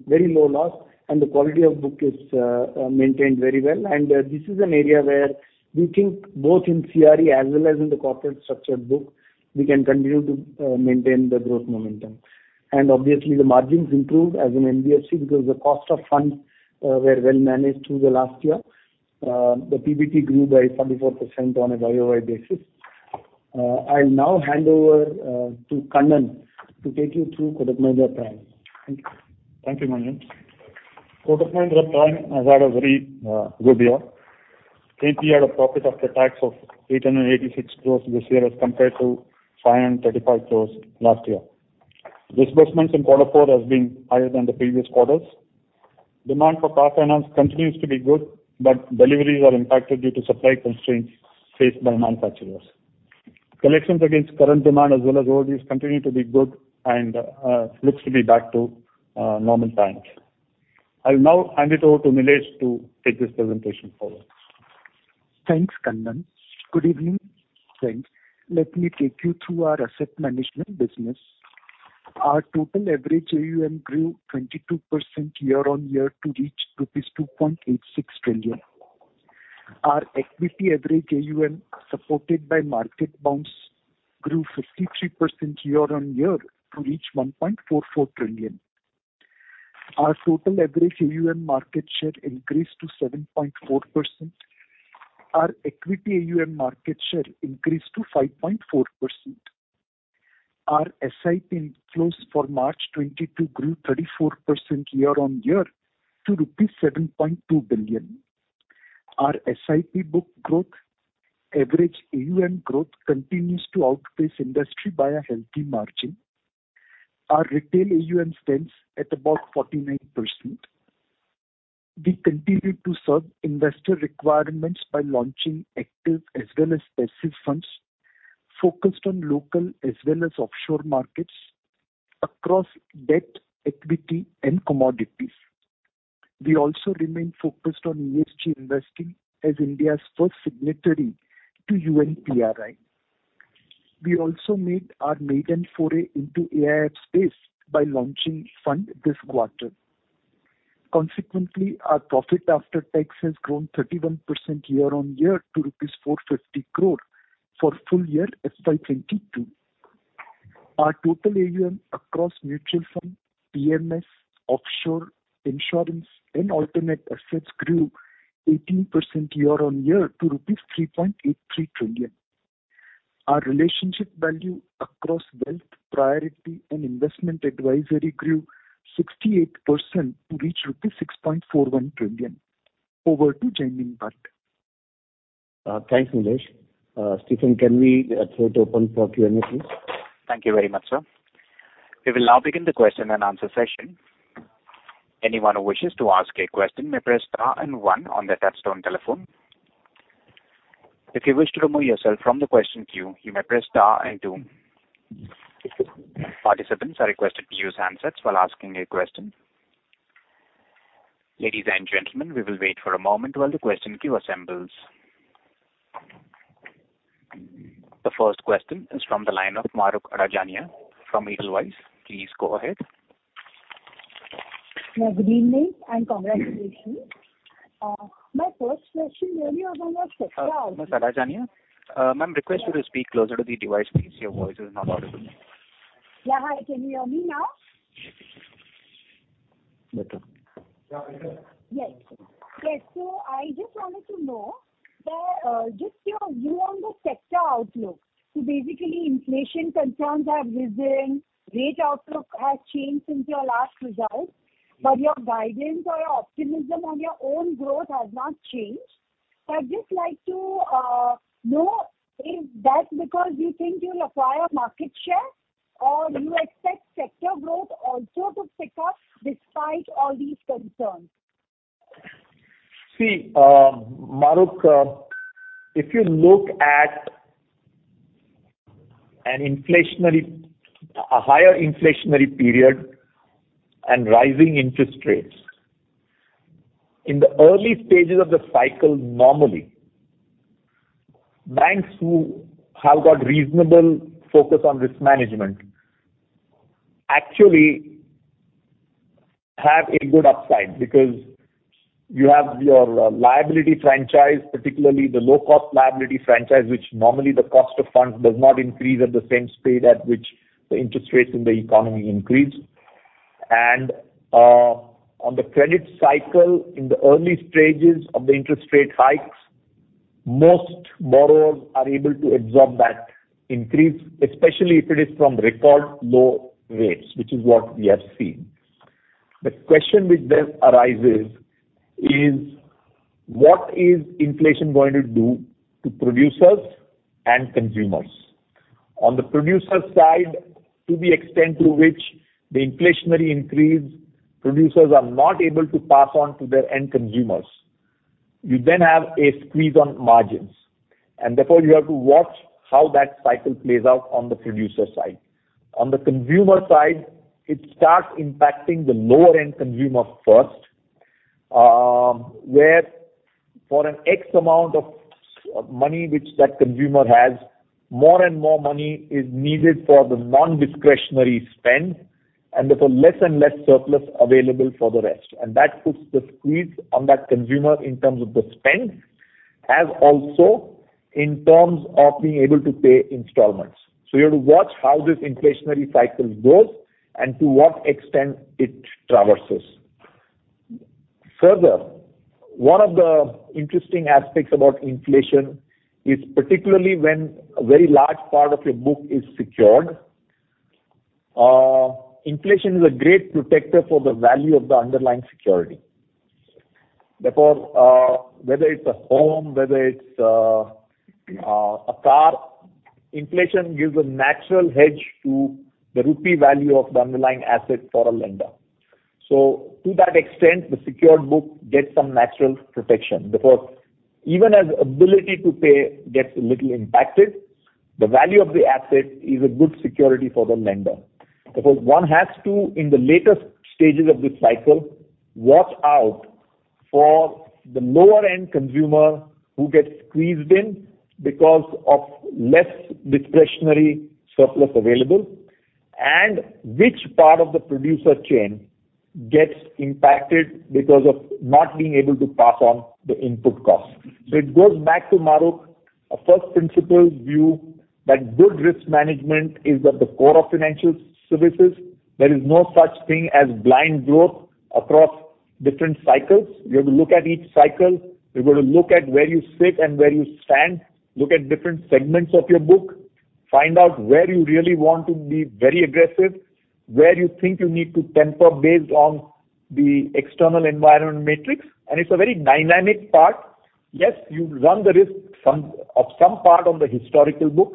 Very low loss, and the quality of book is maintained very well. This is an area where we think both in CRE as well as in the corporate structured book, we can continue to maintain the growth momentum. Obviously, the margins improved as an NBFC because the cost of funds were well managed through the last year. The PBT grew by 34% on a YOY basis. I'll now hand over to Kannan to take you through Kotak Mahindra Prime. Thank you. Thank you, Manian. Kotak Mahindra Prime has had a very good year. AP had a profit after tax of 886 crores this year as compared to 535 crores last year. Disbursements in quarter four has been higher than the previous quarters. Demand for car finance continues to be good, but deliveries are impacted due to supply constraints faced by manufacturers. Collections against current demand as well as continue to be good and looks to be back to normal times. I'll now hand it over to Nilesh to take this presentation forward. Thanks, Kannan. Good evening. Thanks. Let me take you through our asset management business. Our total average AUM grew 22% year-on-year to reach rupees 2.86 trillion. Our equity average AUM, supported by market bounce, grew 53% year-on-year to reach 1.44 trillion. Our total average AUM market share increased to 7.4%. Our equity AUM market share increased to 5.4%. Our SIP inflows for March 2022 grew 34% year-on-year to rupees 7.2 billion. Our SIP book growth average AUM growth continues to outpace industry by a healthy margin. Our retail AUM stands at about 49%. We continue to serve investor requirements by launching active as well as passive funds focused on local as well as offshore markets across debt, equity and commodities. We also remain focused on ESG investing as India's first signatory to UNPRI. We also made our maiden foray into AIF space by launching fund this quarter. Consequently, our profit after tax has grown 31% year-on-year to rupees 450 crore for full year FY 2022. Our total AUM across mutual fund, PMS, offshore, insurance and alternate assets grew 18% year-on-year to rupees 3.83 trillion. Our relationship value across wealth, priority and investment advisory grew 68% to reach 6.41 trillion. Over to Jaimin Bhatt. Thanks, Nilesh. Steven, can we throw it open for Q&A, please? Thank you very much, sir. We will now begin the question and answer session. Anyone who wishes to ask a question may press star and one on their touch-tone telephone. If you wish to remove yourself from the question queue, you may press star and two. Participants are requested to use handsets while asking a question. Ladies and gentlemen, we will wait for a moment while the question queue assembles. The first question is from the line of Mahrukh Adajania from Edelweiss. Please go ahead. Good evening and congratulations. My first question really about your sector out- Mahrukh Adajania? Ma'am, request you to speak closer to the device, please. Your voice is not audible. Yeah. Hi, can you hear me now? Better. Yes. I just wanted to know that, just your view on the sector outlook. Basically, inflation concerns have risen, rate outlook has changed since your last result, but your guidance or your optimism on your own growth has not changed. I'd just like to know if that's because you think you'll acquire market share or you expect sector growth also to pick up despite all these concerns. See, Mahrukh, if you look at a higher inflationary period and rising interest rates, in the early stages of the cycle, normally, banks who have got reasonable focus on risk management actually have a good upside because you have your liability franchise, particularly the low cost liability franchise, which normally the cost of funds does not increase at the same speed at which the interest rates in the economy increase. On the credit cycle, in the early stages of the interest rate hikes, most borrowers are able to absorb that increase, especially if it is from record low rates, which is what we have seen. The question which then arises is what is inflation going to do to producers and consumers? On the producer side, to the extent to which the inflationary increase producers are not able to pass on to their end consumers, you then have a squeeze on margins, and therefore you have to watch how that cycle plays out on the producer side. On the consumer side, it starts impacting the lower end consumer first, where for an X amount of money which that consumer has, more and more money is needed for the non-discretionary spend, and therefore less and less surplus available for the rest. That puts the squeeze on that consumer in terms of the spend, as also in terms of being able to pay installments. You have to watch how this inflationary cycle goes and to what extent it traverses. Further, one of the interesting aspects about inflation is particularly when a very large part of your book is secured. Inflation is a great protector for the value of the underlying security. Therefore, whether it's a home, whether it's a car, inflation gives a natural hedge to the rupee value of the underlying asset for a lender. To that extent, the secured book gets some natural protection, because even as ability to pay gets a little impacted, the value of the asset is a good security for the lender. Because one has to, in the later stages of this cycle, watch out for the lower end consumer who gets squeezed in because of less discretionary surplus available and which part of the producer chain gets impacted because of not being able to pass on the input cost. It goes back to Mahrukh, a first principles view that good risk management is at the core of financial services. There is no such thing as blind growth across different cycles. You have to look at each cycle. You've got to look at where you sit and where you stand, look at different segments of your book. Find out where you really want to be very aggressive, where you think you need to temper based on the external environment matrix, and it's a very dynamic part. Yes, you run the risk some, of some part on the historical book.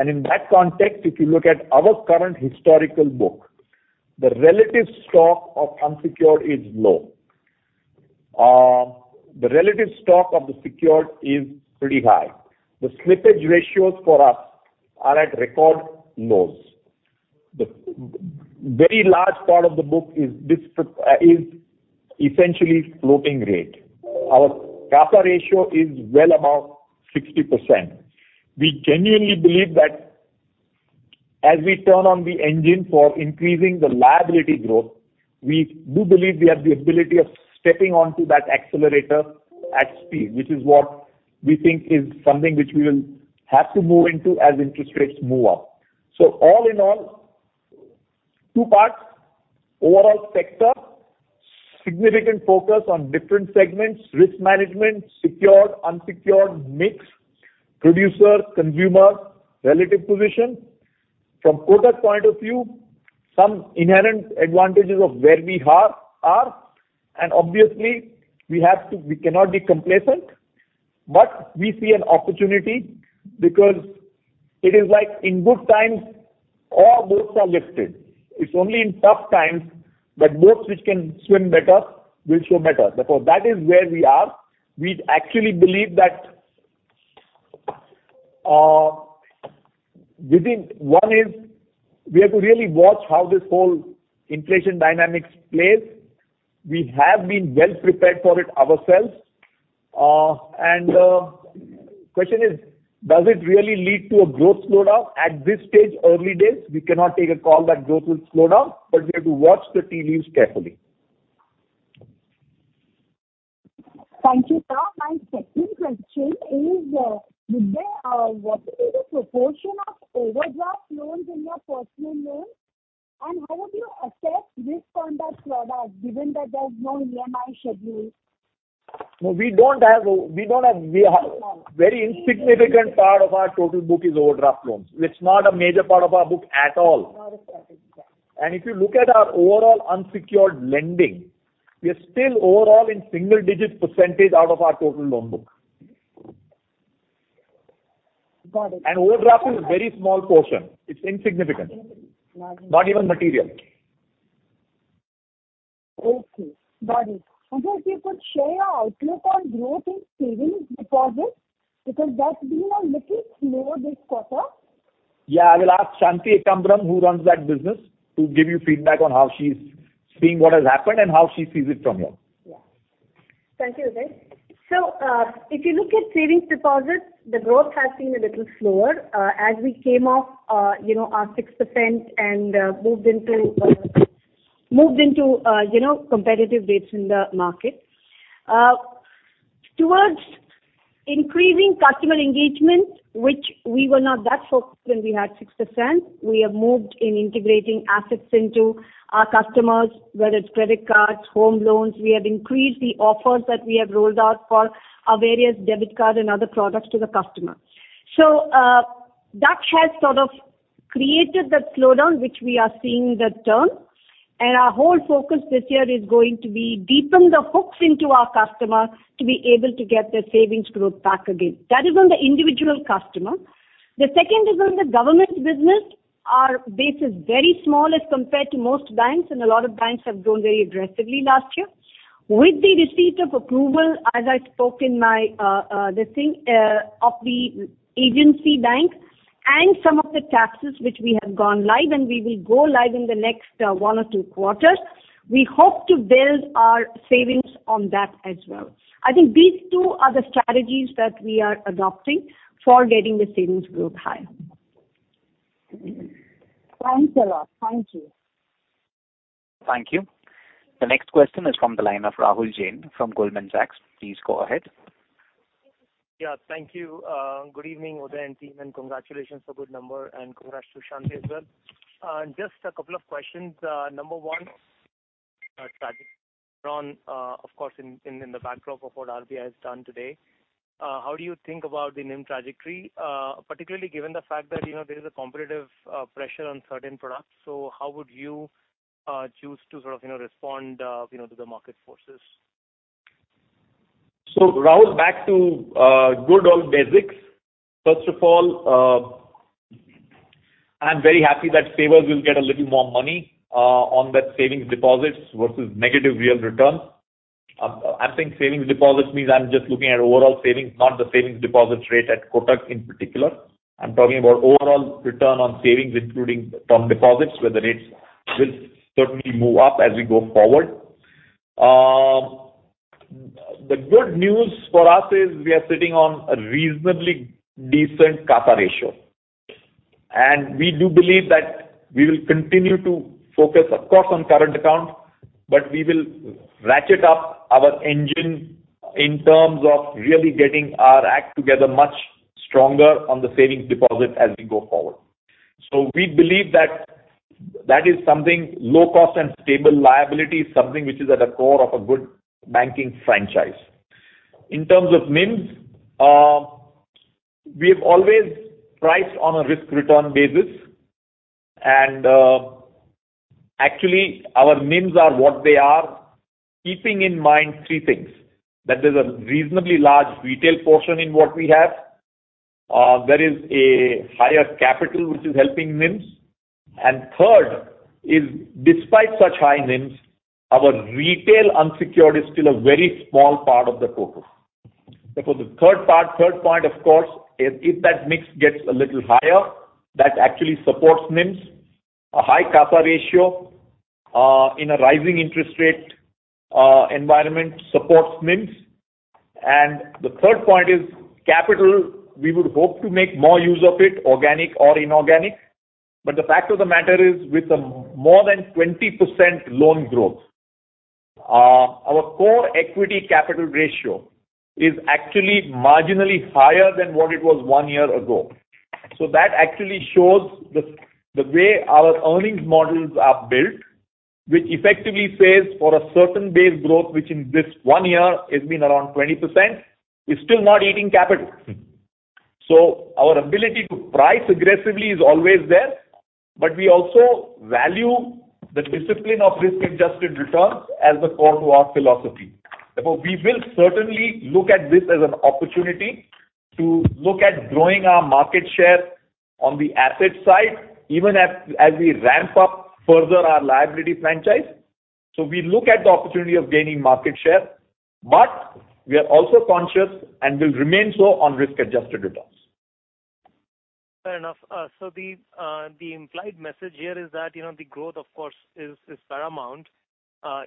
In that context, if you look at our current historical book, the relative stock of unsecured is low. The relative stock of the secured is pretty high. The slippage ratios for us are at record lows. The very large part of the book is essentially floating rate. Our CASA ratio is well above 60%. We genuinely believe that as we turn on the engine for increasing the liability growth, we do believe we have the ability of stepping onto that accelerator at speed, which is what we think is something which we will have to move into as interest rates move up. All in all, two parts, overall sector, significant focus on different segments, risk management, secured, unsecured, mix, producer, consumer, relative position. From Kotak point of view, some inherent advantages of where we are, and obviously, we have to. We cannot be complacent, but we see an opportunity because it is like in good times, all boats are lifted. It's only in tough times that boats which can swim better will swim better. Therefore, that is where we are. We actually believe that, within one is we have to really watch how this whole inflation dynamics plays. We have been well prepared for it ourselves. Question is, does it really lead to a growth slowdown? At this stage, early days, we cannot take a call that growth will slow down, but we have to watch the tea leaves carefully. Thank you, sir. My second question is, what is the proportion of overdraft loans in your personal loans, and how would you assess risk on that product given that there's no EMI schedule? No, we have- Okay. Very insignificant part of our total book is overdraft loans. It's not a major part of our book at all. Not a strategic. If you look at our overall unsecured lending, we are still overall in single-digit % out of our total loan book. Got it. Overdraft is a very small portion. It's insignificant. Insignificant. Got it. Not even material. Okay. Got it. Sir, if you could share your outlook on growth in savings deposits because that's been a little slower this quarter. Yeah. I will ask Shanti Ekambaram, who runs that business, to give you feedback on how she's seeing what has happened and how she sees it from here. Yeah. Thank you, Uday. If you look at savings deposits, the growth has been a little slower, as we came off, you know, our 6% and moved into, you know, competitive rates in the market. Towards increasing customer engagement, which we were not that focused when we had 6%, we have moved in integrating assets into our customers, whether it's credit cards, home loans. We have increased the offers that we have rolled out for our various debit card and other products to the customer. That has sort of created that slowdown, which we are seeing the turn, and our whole focus this year is going to be deepen the hooks into our customer to be able to get the savings growth back again. That is on the individual customer. The second is on the government business. Our base is very small as compared to most banks, and a lot of banks have grown very aggressively last year. With the receipt of approval, as I spoke in my, the thing, of the agency bank and some of the taxes which we have gone live and we will go live in the next, one or two quarters, we hope to build our savings on that as well. I think these two are the strategies that we are adopting for getting the savings growth high. Thanks a lot. Thank you. Thank you. The next question is from the line of Rahul Jain from Goldman Sachs. Please go ahead. Yeah. Thank you. Good evening, Uday and team, and congratulations for good number and congrats to Shanti Ekambaram as well. Just a couple of questions. Number one, strategy. Of course, in the backdrop of what RBI has done today, how do you think about the NIM trajectory, particularly given the fact that, you know, there is a competitive pressure on certain products? How would you choose to sort of, you know, respond, you know, to the market forces? Rahul, back to good old basics. First of all, I'm very happy that savers will get a little more money on that savings deposits versus negative real returns. I'm saying savings deposits means I'm just looking at overall savings, not the savings deposits rate at Kotak in particular. I'm talking about overall return on savings, including term deposits, where the rates will certainly move up as we go forward. The good news for us is we are sitting on a reasonably decent CASA ratio, and we do believe that we will continue to focus, of course, on current account, but we will ratchet up our engine in terms of really getting our act together much stronger on the savings deposit as we go forward. We believe that is something low cost and stable liability, something which is at the core of a good banking franchise. In terms of NIMS, we've always priced on a risk return basis and, actually our NIMS are what they are keeping in mind three things. That there's a reasonably large retail portion in what we have. There is a higher capital which is helping NIMS. And third is despite such high NIMS, our retail unsecured is still a very small part of the total. Therefore, the third part, third point of course, if that mix gets a little higher, that actually supports NIMS. A high CASA ratio, in a rising interest rate environment supports NIMS. And the third point is capital. We would hope to make more use of it, organic or inorganic. The fact of the matter is with the more than 20% loan growth, our core equity capital ratio is actually marginally higher than what it was one year ago. That actually shows the way our earnings models are built, which effectively says for a certain base growth, which in this one year has been around 20%, is still not eating capital. Our ability to price aggressively is always there, but we also value the discipline of risk-adjusted returns as the core to our philosophy. Therefore, we will certainly look at this as an opportunity to look at growing our market share on the asset side, even as we ramp up further our liability franchise. We look at the opportunity of gaining market share, but we are also conscious and will remain so on risk-adjusted returns. Fair enough. So the implied message here is that, you know, the growth of course is paramount,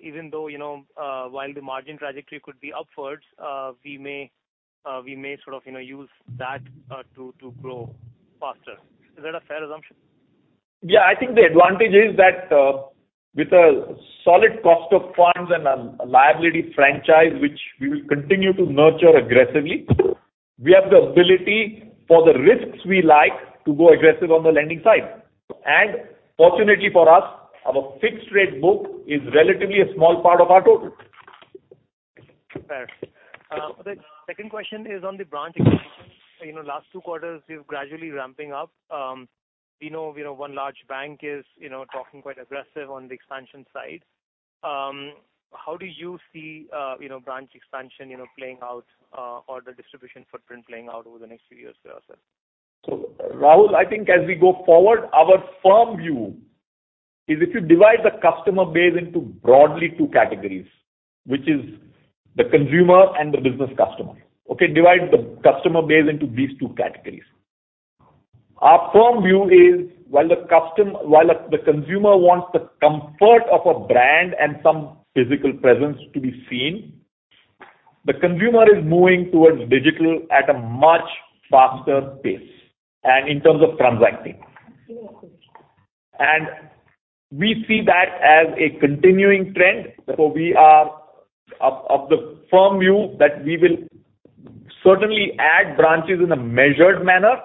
even though, you know, while the margin trajectory could be upwards, we may sort of, you know, use that to grow faster. Is that a fair assumption? Yeah. I think the advantage is that, with a solid cost of funds and a liability franchise, which we will continue to nurture aggressively, we have the ability for the risks we like to go aggressive on the lending side. Fortunately for us, our fixed rate book is relatively a small part of our total. Fair. The second question is on the branch expansion. You know, last two quarters, you're gradually ramping up. We know, you know, one large bank is, you know, talking quite aggressive on the expansion side. How do you see, you know, branch expansion, you know, playing out, or the distribution footprint playing out over the next few years or so? Rahul, I think as we go forward, our firm view is if you divide the customer base into broadly two categories, which is the consumer and the business customer. Okay? Divide the customer base into these two categories. Our firm view is while the consumer wants the comfort of a brand and some physical presence to be seen, the consumer is moving towards digital at a much faster pace and in terms of transacting. We see that as a continuing trend. Therefore, we are of the firm view that we will certainly add branches in a measured manner,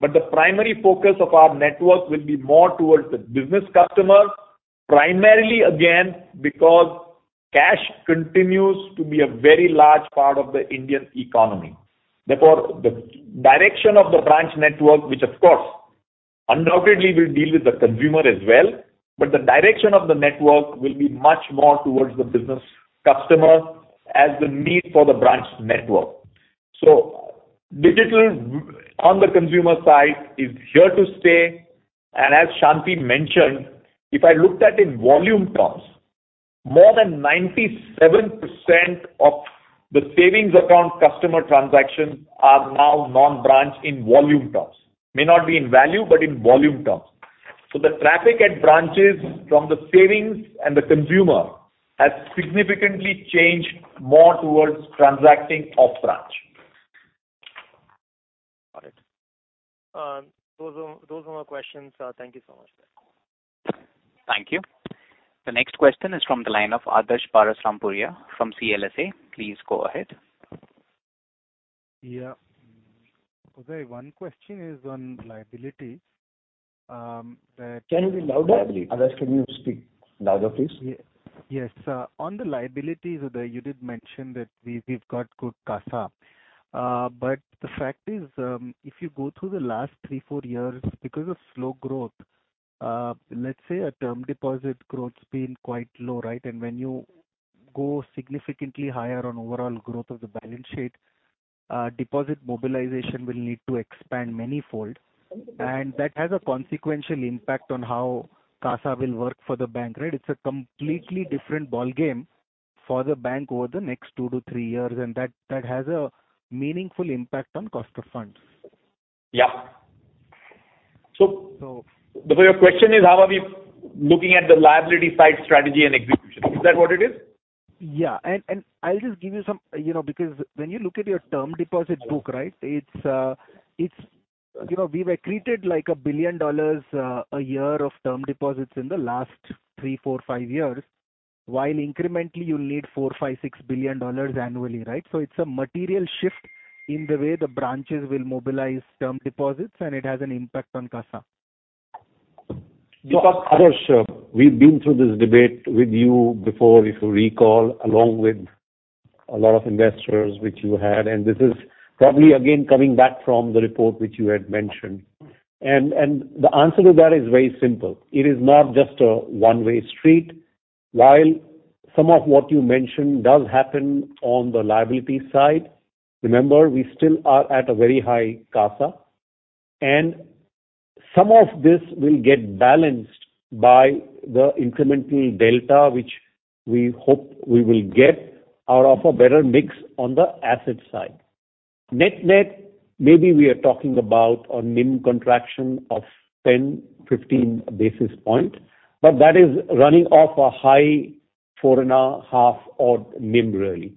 but the primary focus of our network will be more towards the business customer, primarily again because cash continues to be a very large part of the Indian economy. Therefore, the direction of the branch network, which of course undoubtedly will deal with the consumer as well, but the direction of the network will be much more towards the business customer as the need for the branch network. Digital on the consumer side is here to stay, and as Shanti mentioned, if I looked at in volume terms, more than 97% of the savings account customer transactions are now non-branch in volume terms. May not be in value, but in volume terms. The traffic at branches from the savings and the consumer has significantly changed more towards transacting off branch. Got it. Those are our questions. Thank you so much. Thank you. The next question is from the line of Adarsh Parasrampuria from CLSA. Please go ahead. Yeah. Uday, one question is on liability, that. Can you be louder? Adarsh, can you speak louder, please? Yes. On the liability, Uday, you did mention that we've got good CASA. The fact is, if you go through the last three to four years because of slow growth, let's say a term deposit growth's been quite low, right? When you go significantly higher on overall growth of the balance sheet, deposit mobilization will need to expand manyfold. That has a consequential impact on how CASA will work for the bank, right? It's a completely different ballgame for the bank over the next two to three years, and that has a meaningful impact on cost of funds. Yeah. So- Adarsh, your question is how are we looking at the liability side strategy and execution? Is that what it is? I'll just give you some, you know, because when you look at your term deposit book, right, it's, you know, we've accreted like $1 billion a year of term deposits in the last three, four, five years. While incrementally you'll need $4 billion-$6 billion annually, right? It's a material shift in the way the branches will mobilize term deposits, and it has an impact on CASA. Look, Adarsh, we've been through this debate with you before, if you recall, along with a lot of investors which you had. This is probably again coming back from the report which you had mentioned. The answer to that is very simple. It is not just a one-way street. While some of what you mentioned does happen on the liability side, remember, we still are at a very high CASA. Some of this will get balanced by the incremental delta, which we hope we will get out of a better mix on the asset side. Net-net, maybe we are talking about a NIM contraction of 10-15 basis points, but that is running off a high 4.5 odd NIM really.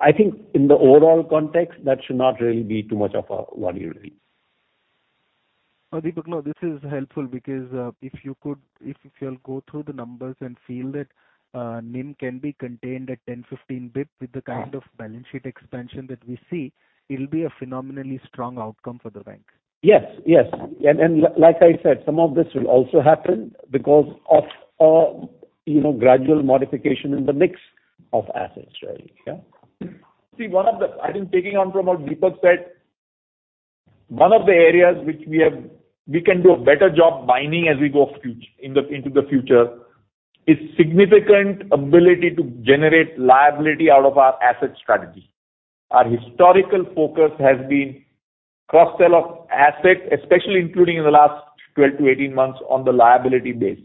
I think in the overall context, that should not really be too much of a worry really. No, Dipak. No, this is helpful because, if you'll go through the numbers and feel that, NIM can be contained at 10-15 basis points with the kind of balance sheet expansion that we see, it'll be a phenomenally strong outcome for the bank. Yes. Like I said, some of this will also happen because of, you know, gradual modification in the mix of assets really, yeah. See, one of the items building on what Dipak said, one of the areas which we can do a better job as we go into the future is significant ability to generate liability out of our asset strategy. Our historical focus has been cross-sell of assets, especially including in the last 12-18 months on the liability base.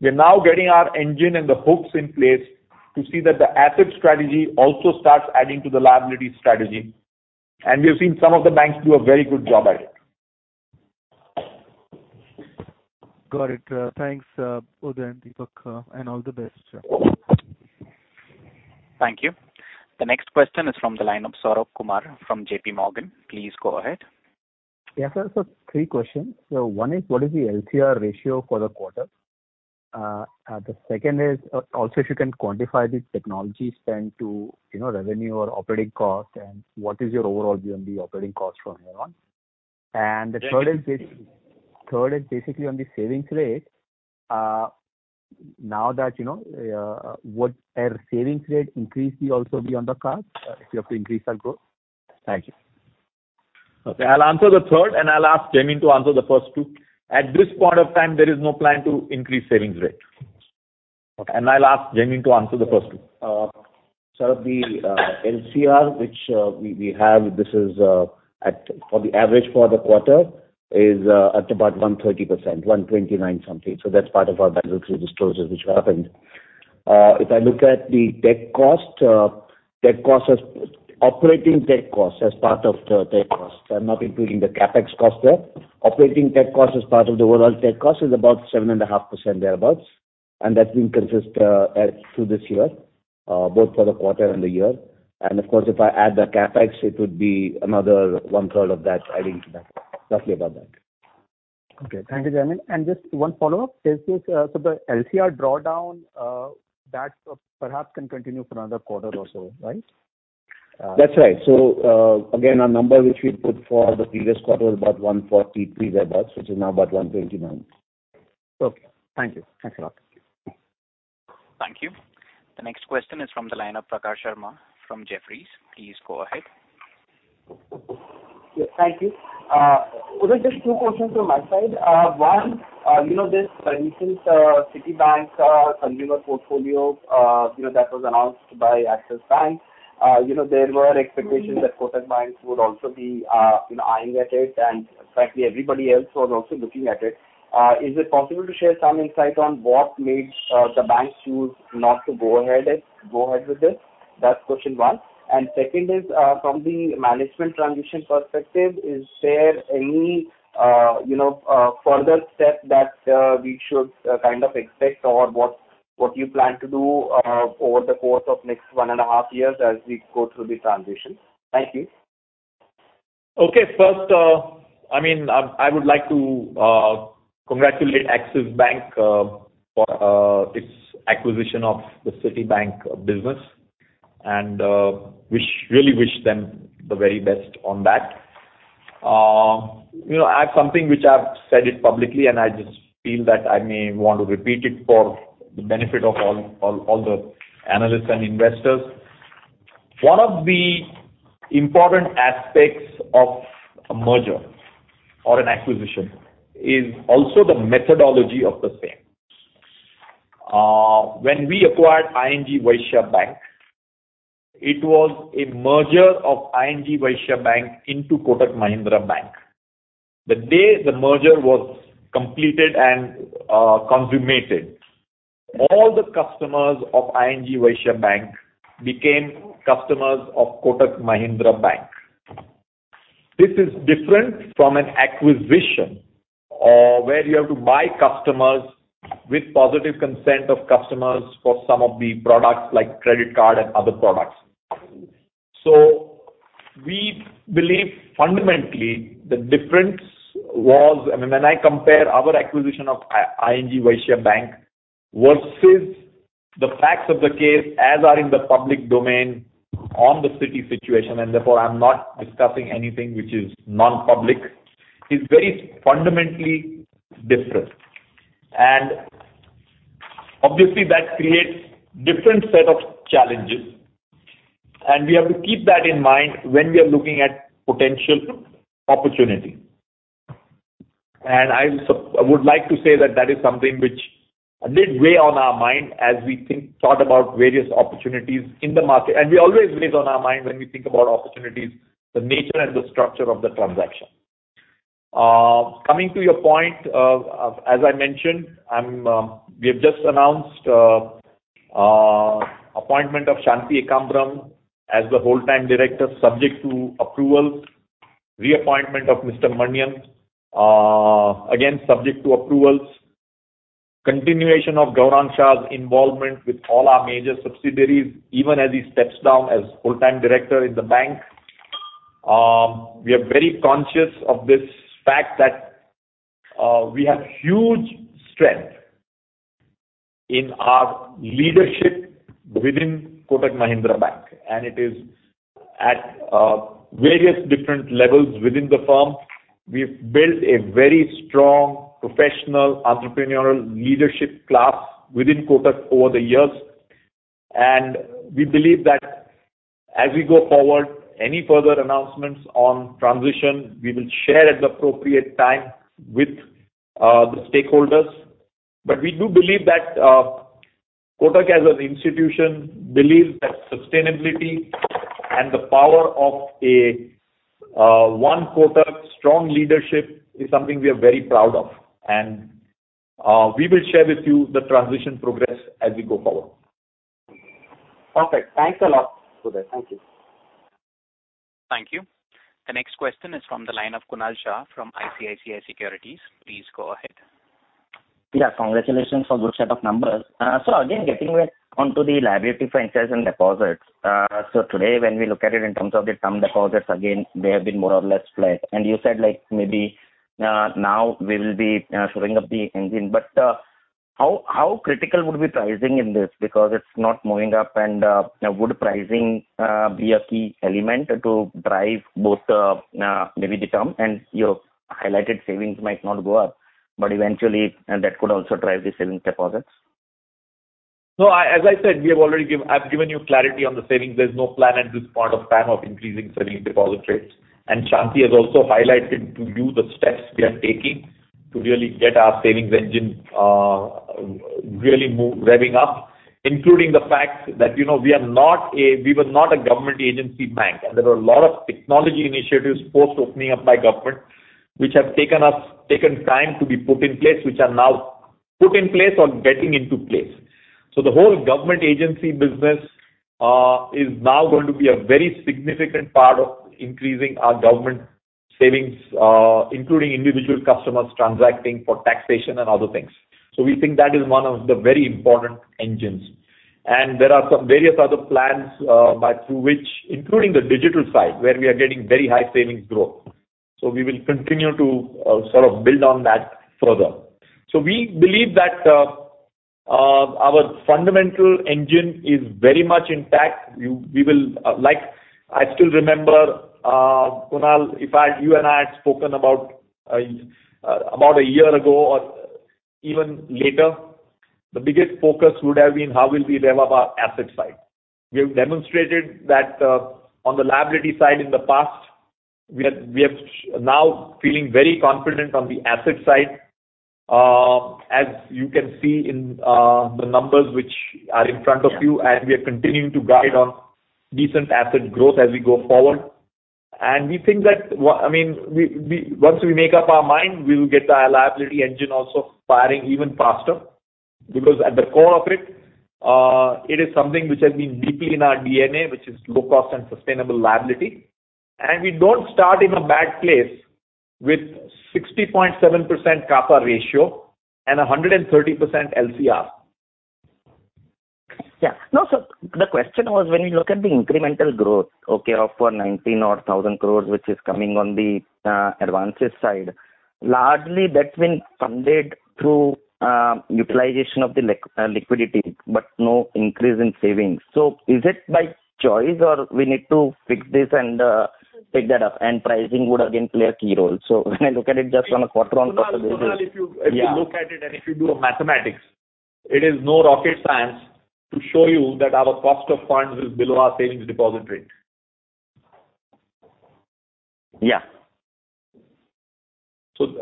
We're now getting our engine and the hooks in place to see that the asset strategy also starts adding to the liability strategy. We've seen some of the banks do a very good job at it. Got it. Thanks, Uday and Dipak, and all the best. Thank you. The next question is from the line of Saurabh Kumar from JPMorgan. Please go ahead. Yes, sir. Three questions. One is what is the LCR ratio for the quarter? The second is also if you can quantify the technology spend to, you know, revenue or operating cost and what is your overall G&A operating cost from here on. The third is basically on the savings rate. Now that you know, would a savings rate increase be also on the cards if you have to increase our growth? Thank you. Okay. I'll answer the third, and I'll ask Jaimin to answer the first two. At this point of time, there is no plan to increase savings rate. Okay. Some of the LCR which we have, this is at, for the average for the quarter, is at about 130%, 129 something. That's part of our bank book disclosures which happened. If I look at the tech cost, tech cost is operating tech cost as part of the tech cost. I'm not including the CapEx cost there. Operating tech cost as part of the overall tech cost is about 7.5% thereabouts, and that's been consistent through this year, both for the quarter and the year. Of course, if I add the CapEx, it would be another 1/3 of that adding to that. Roughly about that. Okay. Thank you, Jaimin. Just one follow-up. Is this so the LCR drawdown that perhaps can continue for another quarter or so, right? That's right. Again, our number which we put for the previous quarter was about 143 thereabouts, which is now about 129. Okay. Thank you. Thanks a lot. Thank you. The next question is from the line of Prakhar Sharma from Jefferies. Please go ahead. Yes, thank you. Uday, just two questions from my side. One, you know, this recent Citibank consumer portfolio, you know, that was announced by Axis Bank. You know, there were expectations that Kotak Bank would also be, you know, eyeing at it, and frankly, everybody else was also looking at it. Is it possible to share some insight on what made the bank choose not to go ahead with this? That's question one. Second is, from the management transition perspective, is there any, you know, further step that we should kind of expect or what you plan to do, over the course of next one and a half years as we go through the transition? Thank you. Okay. First, I mean, I would like to congratulate Axis Bank for its acquisition of the Citibank business and really wish them the very best on that. You know, I have something which I've said publicly, and I just feel that I may want to repeat it for the benefit of all the analysts and investors. One of the important aspects of a merger or an acquisition is also the methodology of the same. When we acquired ING Vysya Bank, it was a merger of ING Vysya Bank into Kotak Mahindra Bank. The day the merger was completed and consummated, all the customers of ING Vysya Bank became customers of Kotak Mahindra Bank. This is different from an acquisition, where you have to buy customers with positive consent of customers for some of the products like credit card and other products. We believe fundamentally the difference was, I mean, when I compare our acquisition of ING Vysya Bank versus the facts of the case as are in the public domain on the Citi situation, and therefore I'm not discussing anything which is non-public, is very fundamentally different. Obviously that creates different set of challenges, and we have to keep that in mind when we are looking at potential opportunity. I would like to say that that is something which did weigh on our mind as we thought about various opportunities in the market. We always weighs on our mind when we think about opportunities, the nature and the structure of the transaction. Coming to your point, as I mentioned, we have just announced appointment of Shanti Ekambaram as the full-time director, subject to approval. Reappointment of Mr. Manian, again, subject to approvals. Continuation of Gaurang Shah's involvement with all our major subsidiaries, even as he steps down as full-time director in the bank. We are very conscious of this fact that we have huge strength in our leadership within Kotak Mahindra Bank, and it is at various different levels within the firm. We've built a very strong professional entrepreneurial leadership class within Kotak over the years. We believe that as we go forward, any further announcements on transition, we will share at the appropriate time with the stakeholders. We do believe that Kotak as an institution believes that sustainability and the power of a one Kotak strong leadership is something we are very proud of. We will share with you the transition progress as we go forward. Perfect. Thanks a lot, Sudhir. Thank you. Thank you. The next question is from the line of Kunal Shah from ICICI Securities. Please go ahead. Yeah, congratulations for good set of numbers. Again, getting right onto the liability franchise and deposits. Today when we look at it in terms of the term deposits, again, they have been more or less flat. You said, like, maybe, now we will be showing up the engine. How critical would be pricing in this? Because it's not moving up and would pricing be a key element to drive both, maybe the term and your highlighted savings might not go up, but eventually, and that could also drive the savings deposits. No. As I said, we have already given you clarity on the savings. There's no plan at this point of time of increasing savings deposit rates. Shanti has also highlighted to you the steps we are taking to really get our savings engine, really move, revving up, including the fact that, you know, we are not a, we were not a government agency bank. There were a lot of technology initiatives post opening up by government, which have taken time to be put in place, which are now put in place or getting into place. The whole government agency business is now going to be a very significant part of increasing our government savings, including individual customers transacting for taxation and other things. We think that is one of the very important engines. There are some various other plans through which, including the digital side, where we are getting very high savings growth. We will continue to sort of build on that further. We believe that our fundamental engine is very much intact. Like I still remember, Kunal, if you and I had spoken about a year ago or even later, the biggest focus would have been how will we rev up our asset side. We have demonstrated that on the liability side in the past. We have now feeling very confident on the asset side, as you can see in the numbers which are in front of you, and we are continuing to guide on decent asset growth as we go forward. We think that, I mean, we once we make up our mind, we will get our liability engine also firing even faster because at the core of it is something which has been deeply in our DNA, which is low cost and sustainable liability. We don't start in a bad place with 60.7% CASA ratio and 130% LCR. Yeah. No, the question was when you look at the incremental growth, okay, of 19,000 crore, which is coming on the advances side, largely that's been funded through utilization of the liquidity, but no increase in savings. Is it by choice or we need to fix this and pick that up? Pricing would again play a key role. When I look at it just on a quarter-on-quarter basis. Kunal, if you- Yeah. If you look at it and if you do a mathematics, it is no rocket science to show you that our cost of funds is below our savings deposit rate. Yeah.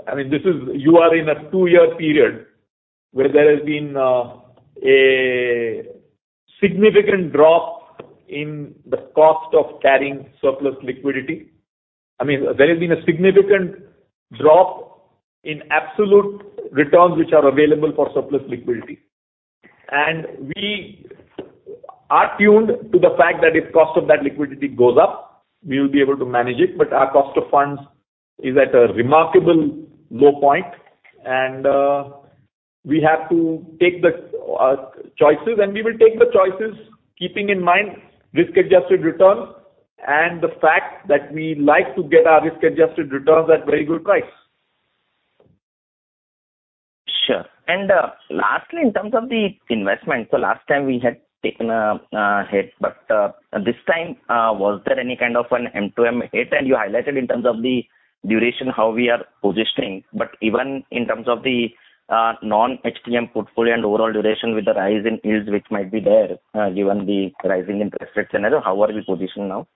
I mean, this is, you are in a two-year period where there has been a significant drop in the cost of carrying surplus liquidity. I mean, there has been a significant drop in absolute returns which are available for surplus liquidity. We are tuned to the fact that if cost of that liquidity goes up, we will be able to manage it. Our cost of funds is at a remarkable low point and we have to take the choices and we will take the choices keeping in mind risk-adjusted returns and the fact that we like to get our risk-adjusted returns at very good price. Sure. Lastly, in terms of the investment, so last time we had taken a hit, but this time, was there any kind of an MTM hit? You highlighted in terms of the duration how we are positioning. Even in terms of the non-HTM portfolio and overall duration with the rise in yields which might be there, given the rising interest rate scenario, how are we positioned now?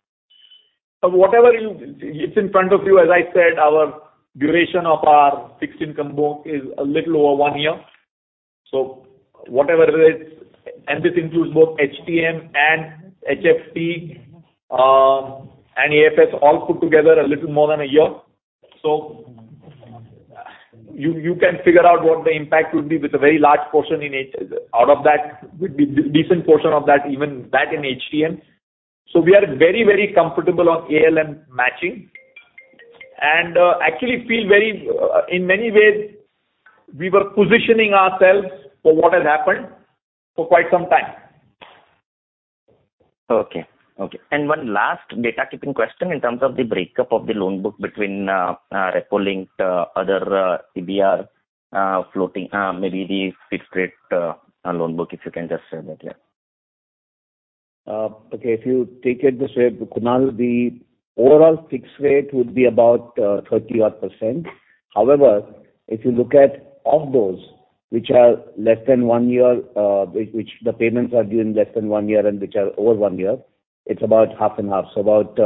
Whatever is in front of you, as I said, our duration of our fixed income book is a little over one year. Whatever it is. This includes both HTM and HFT, and AFS all put together a little more than a year. You can figure out what the impact would be with a very large portion in HTM out of that, with a decent portion of that even back in HTM. We are very, very comfortable on ALM matching and, actually feel very, in many ways, we were positioning ourselves for what has happened for quite some time. Okay. One last bookkeeping question in terms of the breakup of the loan book between repo-linked, other, CBR, floating, maybe the fixed rate loan book, if you can just share that, yeah. Okay, if you take it this way, Kunal, the overall fixed rate would be about 30%. However, if you look at those which are less than one year, which the payments are due in less than one year and which are over one year, it's about half and half. About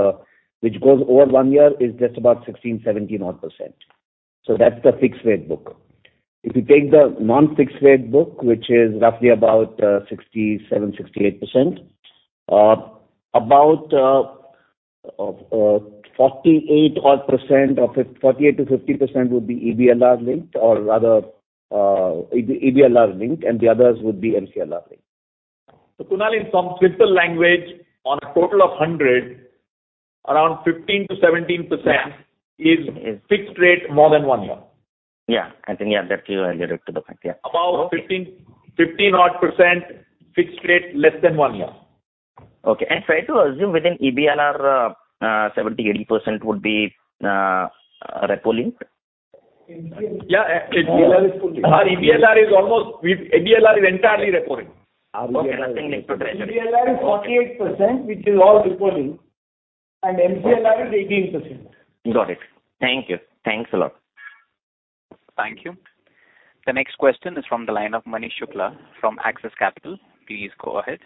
which goes over one year is just about 16-17%. That's the fixed rate book. If you take the non-fixed rate book, which is roughly about 67-68%, about 48% or 48%-50% would be EBLR linked or rather EBLR linked and the others would be MCLR linked. Kunal, in some simple language, on a total of 100, around 15%-17%. Yeah. Is fixed rate more than one year. I think that you alluded to the fact. About 15-odd% fixed rate less than one year. Okay. Fair to assume within EBLR, 70%-80% would be repo-linked? Yeah. Our EBLR is entirely repo-linked. Okay. EBLR is 48%, which is all repo linked. MCLR is 18%. Got it. Thank you. Thanks a lot. Thank you. The next question is from the line of Manish Shukla from Axis Capital. Please go ahead.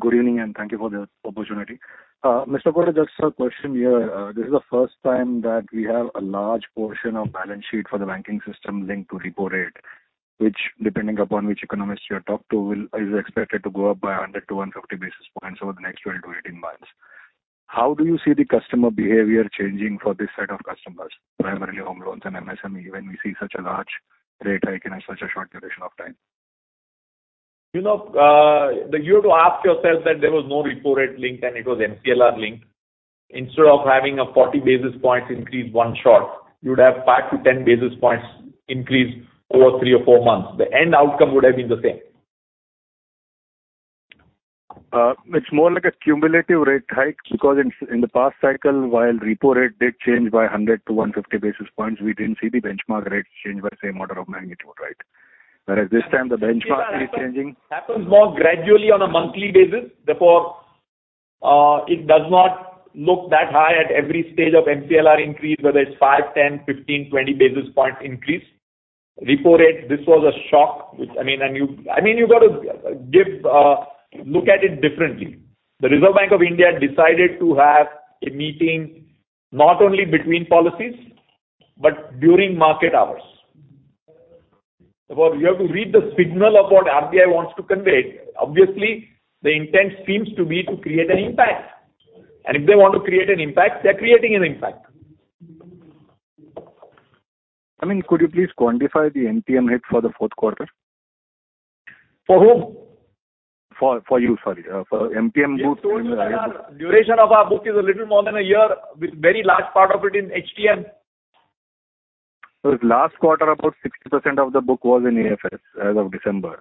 Good evening and thank you for the opportunity. Mr. Kotak, just a question here. This is the first time that we have a large portion of balance sheet for the banking system linked to repo rate, which, depending upon which economist you talk to, is expected to go up by 100-150 basis points over the next 12 to 18 months. How do you see the customer behavior changing for this set of customers, primarily home loans and MSME, when we see such a large rate hike in such a short duration of time? You know, you have to ask yourself that there was no repo rate link and it was MCLR link. Instead of having a 40 basis points increase one shot, you would have 5-10 basis points increase over three or four months. The end outcome would have been the same. It's more like a cumulative rate hike because in the past cycle, while repo rate did change by 100-150 basis points, we didn't see the benchmark rate change by the same order of magnitude, right? Whereas this time the benchmark is changing. It happens more gradually on a monthly basis. Therefore, it does not look that high at every stage of MCLR increase, whether it's five, 10, 15, 20 basis point increase. Repo rate, this was a shock, which I mean, you've got to give, look at it differently. The Reserve Bank of India decided to have a meeting not only between policies but during market hours. You have to read the signal of what RBI wants to convey. Obviously, the intent seems to be to create an impact. If they want to create an impact, they're creating an impact. I mean, could you please quantify the MTM hit for the fourth quarter? For whom? For you, sorry. For MTM book- We've told you that our duration of our book is a little more than a year with very large part of it in HTM. Last quarter, about 60% of the book was in AFS as of December.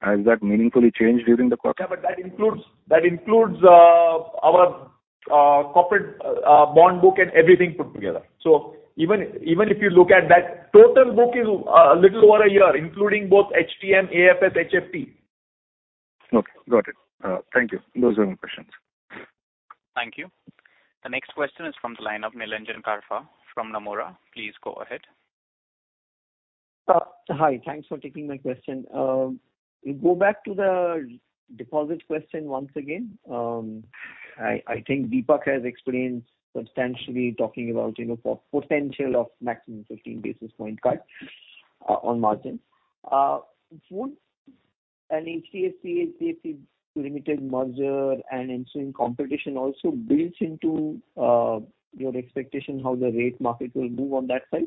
Has that meaningfully changed during the quarter? That includes our corporate bond book and everything put together. Even if you look at that, total book is a little over a year, including both HTM, AFS, HFT. Okay, got it. Thank you. Those are my questions. Thank you. The next question is from the line of Nilanjan Karfa from Nomura. Please go ahead. Hi. Thanks for taking my question. Go back to the deposit question once again. I think Dipak has explained substantially talking about, you know, potential of maximum 15 basis point cut on margin. Would an HDFC Limited merger and ensuing competition also builds into your expectation how the rate market will move on that side?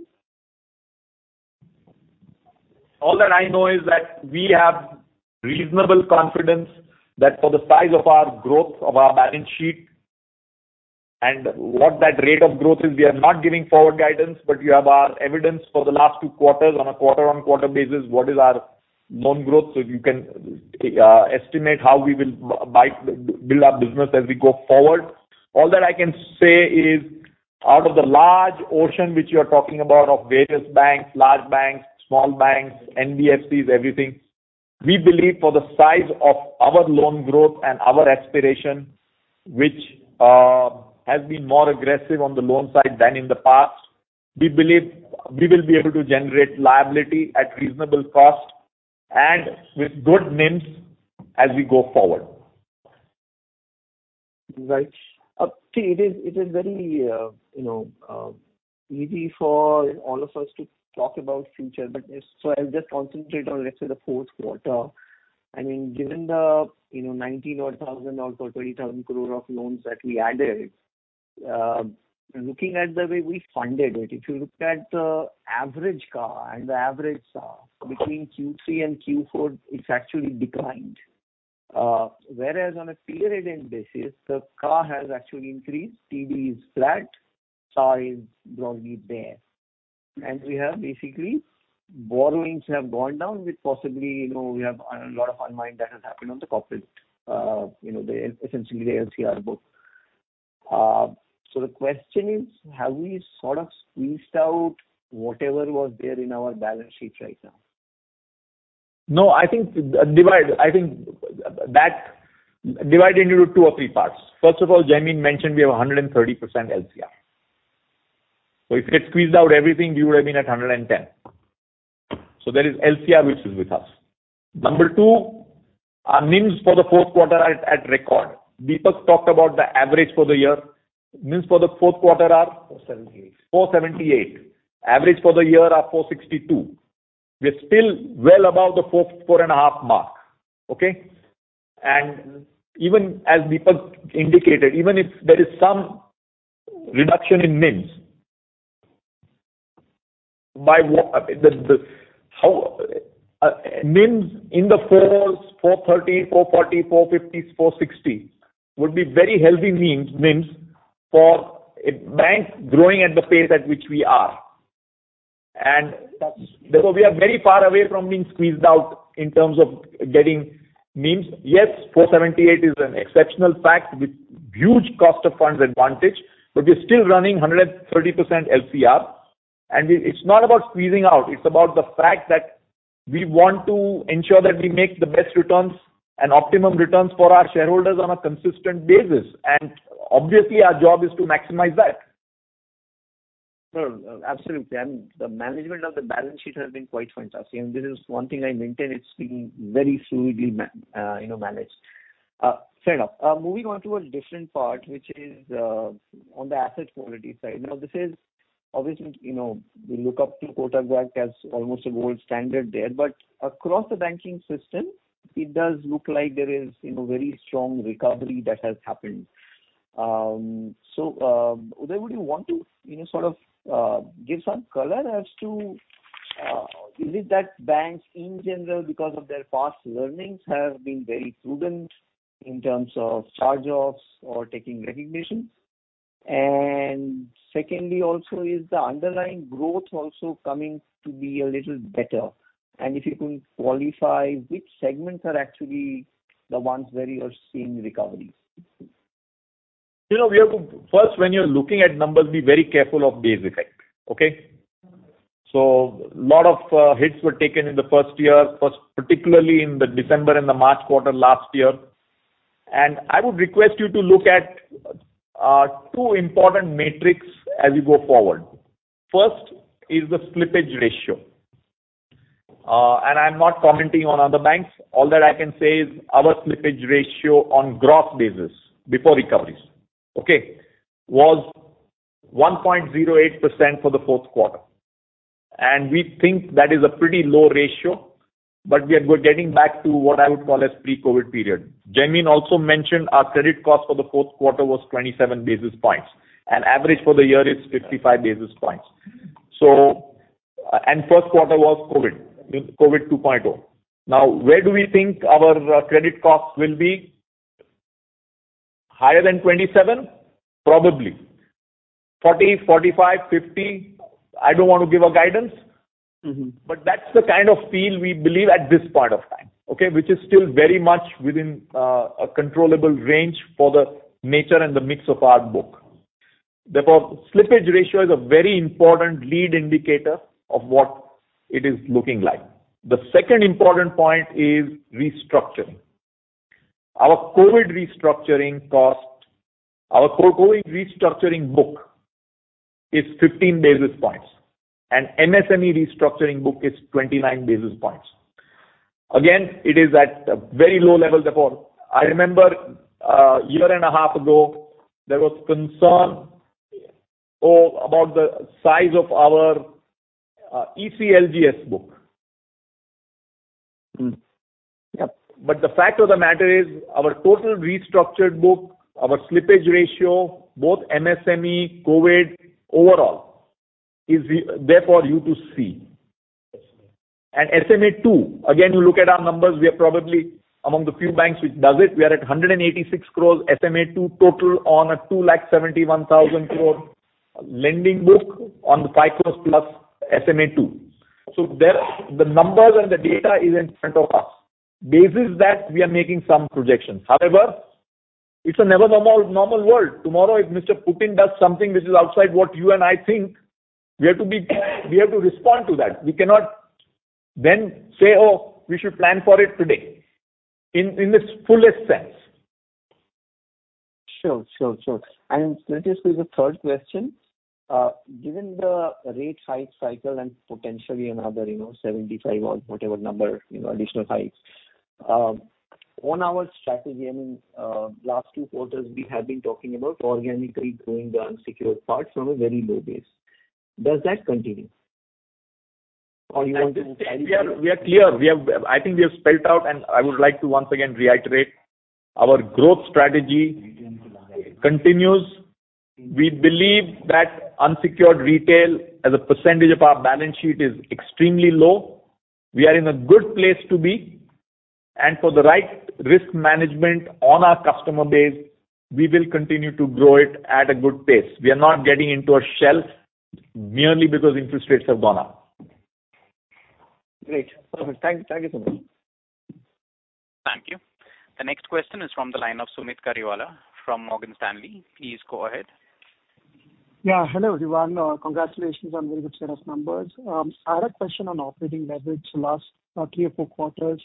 All that I know is that we have reasonable confidence that for the size of our growth of our balance sheet and what that rate of growth is, we are not giving forward guidance, but you have our evidence for the last two quarters on a quarter-on-quarter basis, what is our loan growth. You can estimate how we will build our business as we go forward. All that I can say is out of the large ocean which you are talking about of various banks, large banks, small banks, NBFCs, everything, we believe for the size of our loan growth and our aspiration, which has been more aggressive on the loan side than in the past, we believe we will be able to generate liability at reasonable cost and with good NIMs as we go forward. Right. See, it is very, you know, easy for all of us to talk about future, but so I'll just concentrate on, let's say, the fourth quarter. I mean, given the, you know, 19,000-odd or 20,000 crore of loans that we added, looking at the way we funded it, if you look at the average CAR and the average between Q3 and Q4, it's actually declined. Whereas on a period end basis, the CAR has actually increased, Tier 1 is flat, CASA is broadly there. We have basically borrowings have gone down with possibly, you know, we have a lot of unwind that has happened on the corporate, you know, essentially the LCR book. So the question is, have we sort of squeezed out whatever was there in our balance sheet right now? No, I think that divide into two or three parts. First of all, Jaimin mentioned we have a 130% LCR. So if it squeezed out everything, we would have been at 110%. So there is LCR, which is with us. Number two, our NIMs for the fourth quarter are at record. Dipak talked about the average for the year. NIMs for the fourth quarter are? 478. 4.78%. Average for the year are 4.62%. We're still well above the 4-4.5 mark. Okay? Even as Dipak indicated, even if there is some reduction in NIMs in the 4s, 4.30%, 4.40%, 4.50%, 4.60% would be very healthy NIMs for a bank growing at the pace at which we are. Therefore we are very far away from being squeezed out in terms of getting NIMs. Yes, 4.78% is an exceptional feat with huge cost of funds advantage, but we're still running 130% LCR. It's not about squeezing out. It's about the fact that we want to ensure that we make the best returns and optimum returns for our shareholders on a consistent basis. Obviously, our job is to maximize that. Sure. Absolutely. I mean, the management of the balance sheet has been quite fantastic. This is one thing I maintain. It's been very smoothly managed. Fair enough. Moving on to a different part, which is on the asset quality side. Now, this is obviously, you know, we look up to Kotak Bank as almost a gold standard there. Across the banking system, it does look like there is, you know, very strong recovery that has happened. Uday, would you want to, you know, sort of give some color as to, is it that banks in general because of their past learnings have been very prudent in terms of charge-offs or taking recognition? Secondly, also, is the underlying growth also coming to be a little better? If you could qualify which segments are actually the ones where you're seeing recoveries? You know, we have to first, when you're looking at numbers, be very careful of base effect. Okay? A lot of hits were taken in the first year, particularly in the December and the March quarter last year. I would request you to look at two important metrics as we go forward. First is the slippage ratio. I'm not commenting on other banks. All that I can say is our slippage ratio on gross basis before recoveries, okay, was 1.08% for the fourth quarter. We think that is a pretty low ratio, but we are getting back to what I would call as pre-COVID period. Jaimin also mentioned our credit cost for the fourth quarter was 27 basis points, and average for the year is 55 basis points. First quarter was COVID 2.0. Now, where do we think our credit cost will be? Higher than 27? Probably. 40, 45, 50. I don't want to give a guidance. Mm-hmm. That's the kind of feel we believe at this point of time, okay, which is still very much within a controllable range for the nature and the mix of our book. Therefore, slippage ratio is a very important lead indicator of what it is looking like. The second important point is restructuring. Our COVID restructuring cost, our COVID restructuring book is 15 basis points, and MSME restructuring book is 29 basis points. Again, it is at a very low level. Therefore, I remember a year and a half ago, there was concern about the size of our ECLGS book. Mm-hmm. Yep. The fact of the matter is our total restructured book, our slippage ratio, both MSME, COVID, overall is there for you to see. SMA-2, again, you look at our numbers, we are probably among the few banks which does it. We are at 186 crore SMA-2 total on a 2,71,000 crore lending book on the five plus SMA-2. There the numbers and the data is in front of us. Basis that we are making some projections. However, it's a new normal world. Tomorrow, if Mr. Putin does something which is outside what you and I think, we have to respond to that. We cannot then say, "Oh, we should plan for it today," in its fullest sense. Sure. Let us do the third question. Given the rate hike cycle and potentially another, you know, 75 or whatever number, you know, additional hikes, on our strategy, I mean, last two quarters we have been talking about organically growing the unsecured parts from a very low base. Does that continue? Or you want to- We are clear. I think we have spelled out. I would like to once again reiterate our growth strategy continues. We believe that unsecured retail as a percentage of our balance sheet is extremely low. We are in a good place to be. For the right risk management on our customer base, we will continue to grow it at a good pace. We are not getting into a slowdown merely because interest rates have gone up. Great. Perfect. Thank you. Thank you so much. Thank you. The next question is from the line of Sumeet Kariwala from Morgan Stanley. Please go ahead. Hello, everyone. Congratulations on a very good set of numbers. I had a question on operating leverage. The last three or four quarters,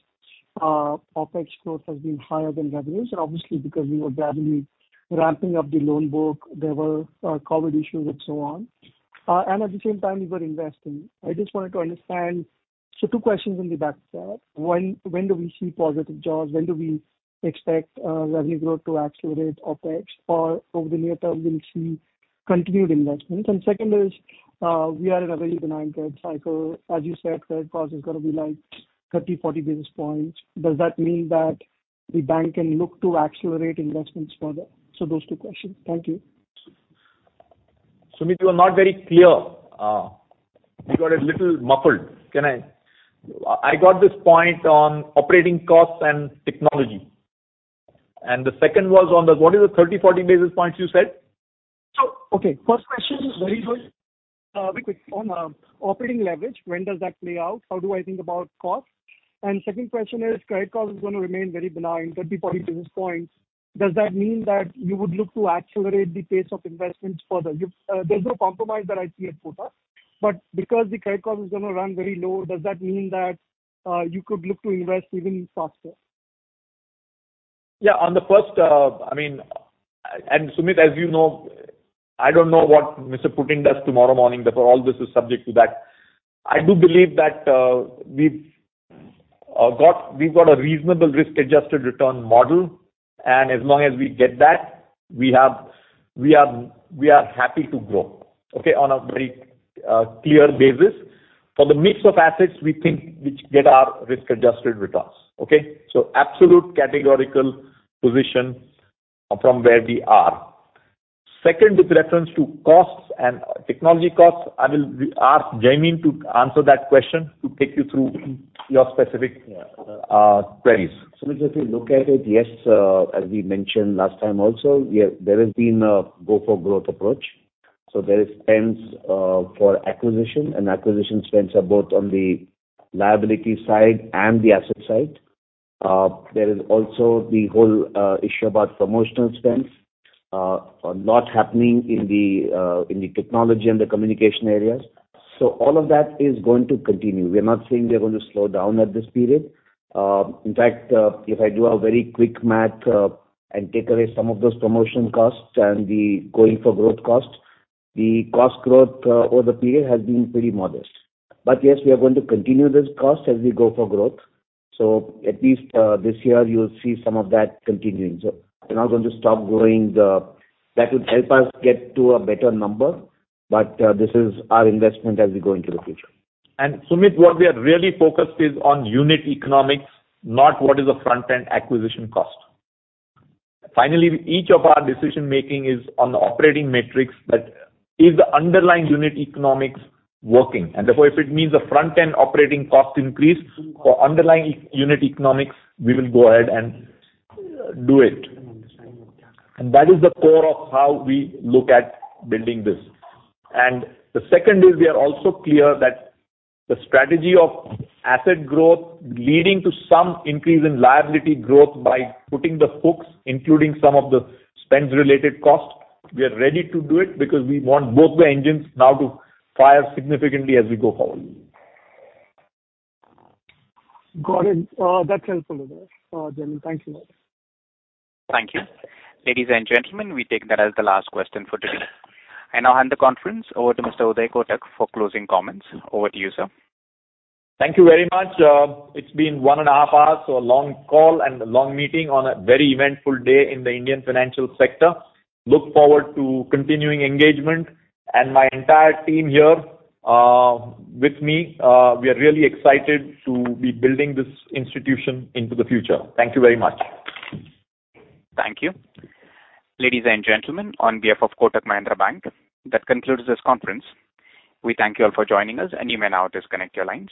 OpEx growth has been higher than revenues and obviously because we were rapidly ramping up the loan book, there were COVID issues and so on. At the same time you were investing. I just wanted to understand. Two questions will be back to back. One, when do we see positive jaws? When do we expect revenue growth to accelerate OpEx or over the near term will see continued investments? Second is, we are in a very benign credit cycle. As you said, credit cost is gonna be like 30, 40 basis points. Does that mean that the bank can look to accelerate investments further? Those two questions. Thank you. Sumeet, you are not very clear. You got a little muffled. I got this point on operating costs and technology. The second was on the, what is the 30, 40 basis points you said? Okay, first question is very quick on operating leverage. When does that play out? How do I think about cost? Second question is credit cost is gonna remain very benign, 30-40 basis points. Does that mean that you would look to accelerate the pace of investments further? There's no compromise that I see at Kotak, but because the credit cost is gonna run very low, does that mean that you could look to invest even faster? Yeah. On the first, I mean, Sumeet, as you know, I don't know what Mr. Putin does tomorrow morning, therefore all this is subject to that. I do believe that, we've got a reasonable risk-adjusted return model, and as long as we get that, we are happy to grow, okay, on a very clear basis. For the mix of assets we think which get our risk-adjusted returns. Okay? Absolute categorical position from where we are. Second, with reference to costs and technology costs, I will ask Jaimin to answer that question to take you through your specific queries. Sumit, if you look at it, yes, as we mentioned last time also, yeah, there has been a go for growth approach. There is spends for acquisition and acquisition spends are both on the liability side and the asset side. There is also the whole issue about promotional spends, a lot happening in the technology and the communication areas. All of that is going to continue. We are not saying we are gonna slow down at this period. In fact, if I do a very quick math and take away some of those promotion costs and the going for growth costs, the cost growth over the period has been pretty modest. Yes, we are going to continue this cost as we go for growth. At least, this year you'll see some of that continuing. We're not going to stop. That would help us get to a better number. This is our investment as we go into the future. Sumeet, what we are really focused is on unit economics, not what is the front-end acquisition cost. Finally, each of our decision-making is on the operating metrics that is the underlying unit economics working. Therefore, if it means the front-end operating cost increase for underlying unit economics, we will go ahead and do it. That is the core of how we look at building this. The second is we are also clear that the strategy of asset growth leading to some increase in liability growth by putting the hooks, including some of the spends related cost, we are ready to do it because we want both the engines now to fire significantly as we go forward. Got it. That's helpful. Jaimin, thank you very much. Thank you. Ladies and gentlemen, we take that as the last question for today. I now hand the conference over to Mr. Uday Kotak for closing comments. Over to you, sir. Thank you very much. It's been 1.5 hours, so a long call and a long meeting on a very eventful day in the Indian financial sector. Look forward to continuing engagement. My entire team here, with me, we are really excited to be building this institution into the future. Thank you very much. Thank you. Ladies and gentlemen, on behalf of Kotak Mahindra Bank, that concludes this conference. We thank you all for joining us, and you may now disconnect your lines.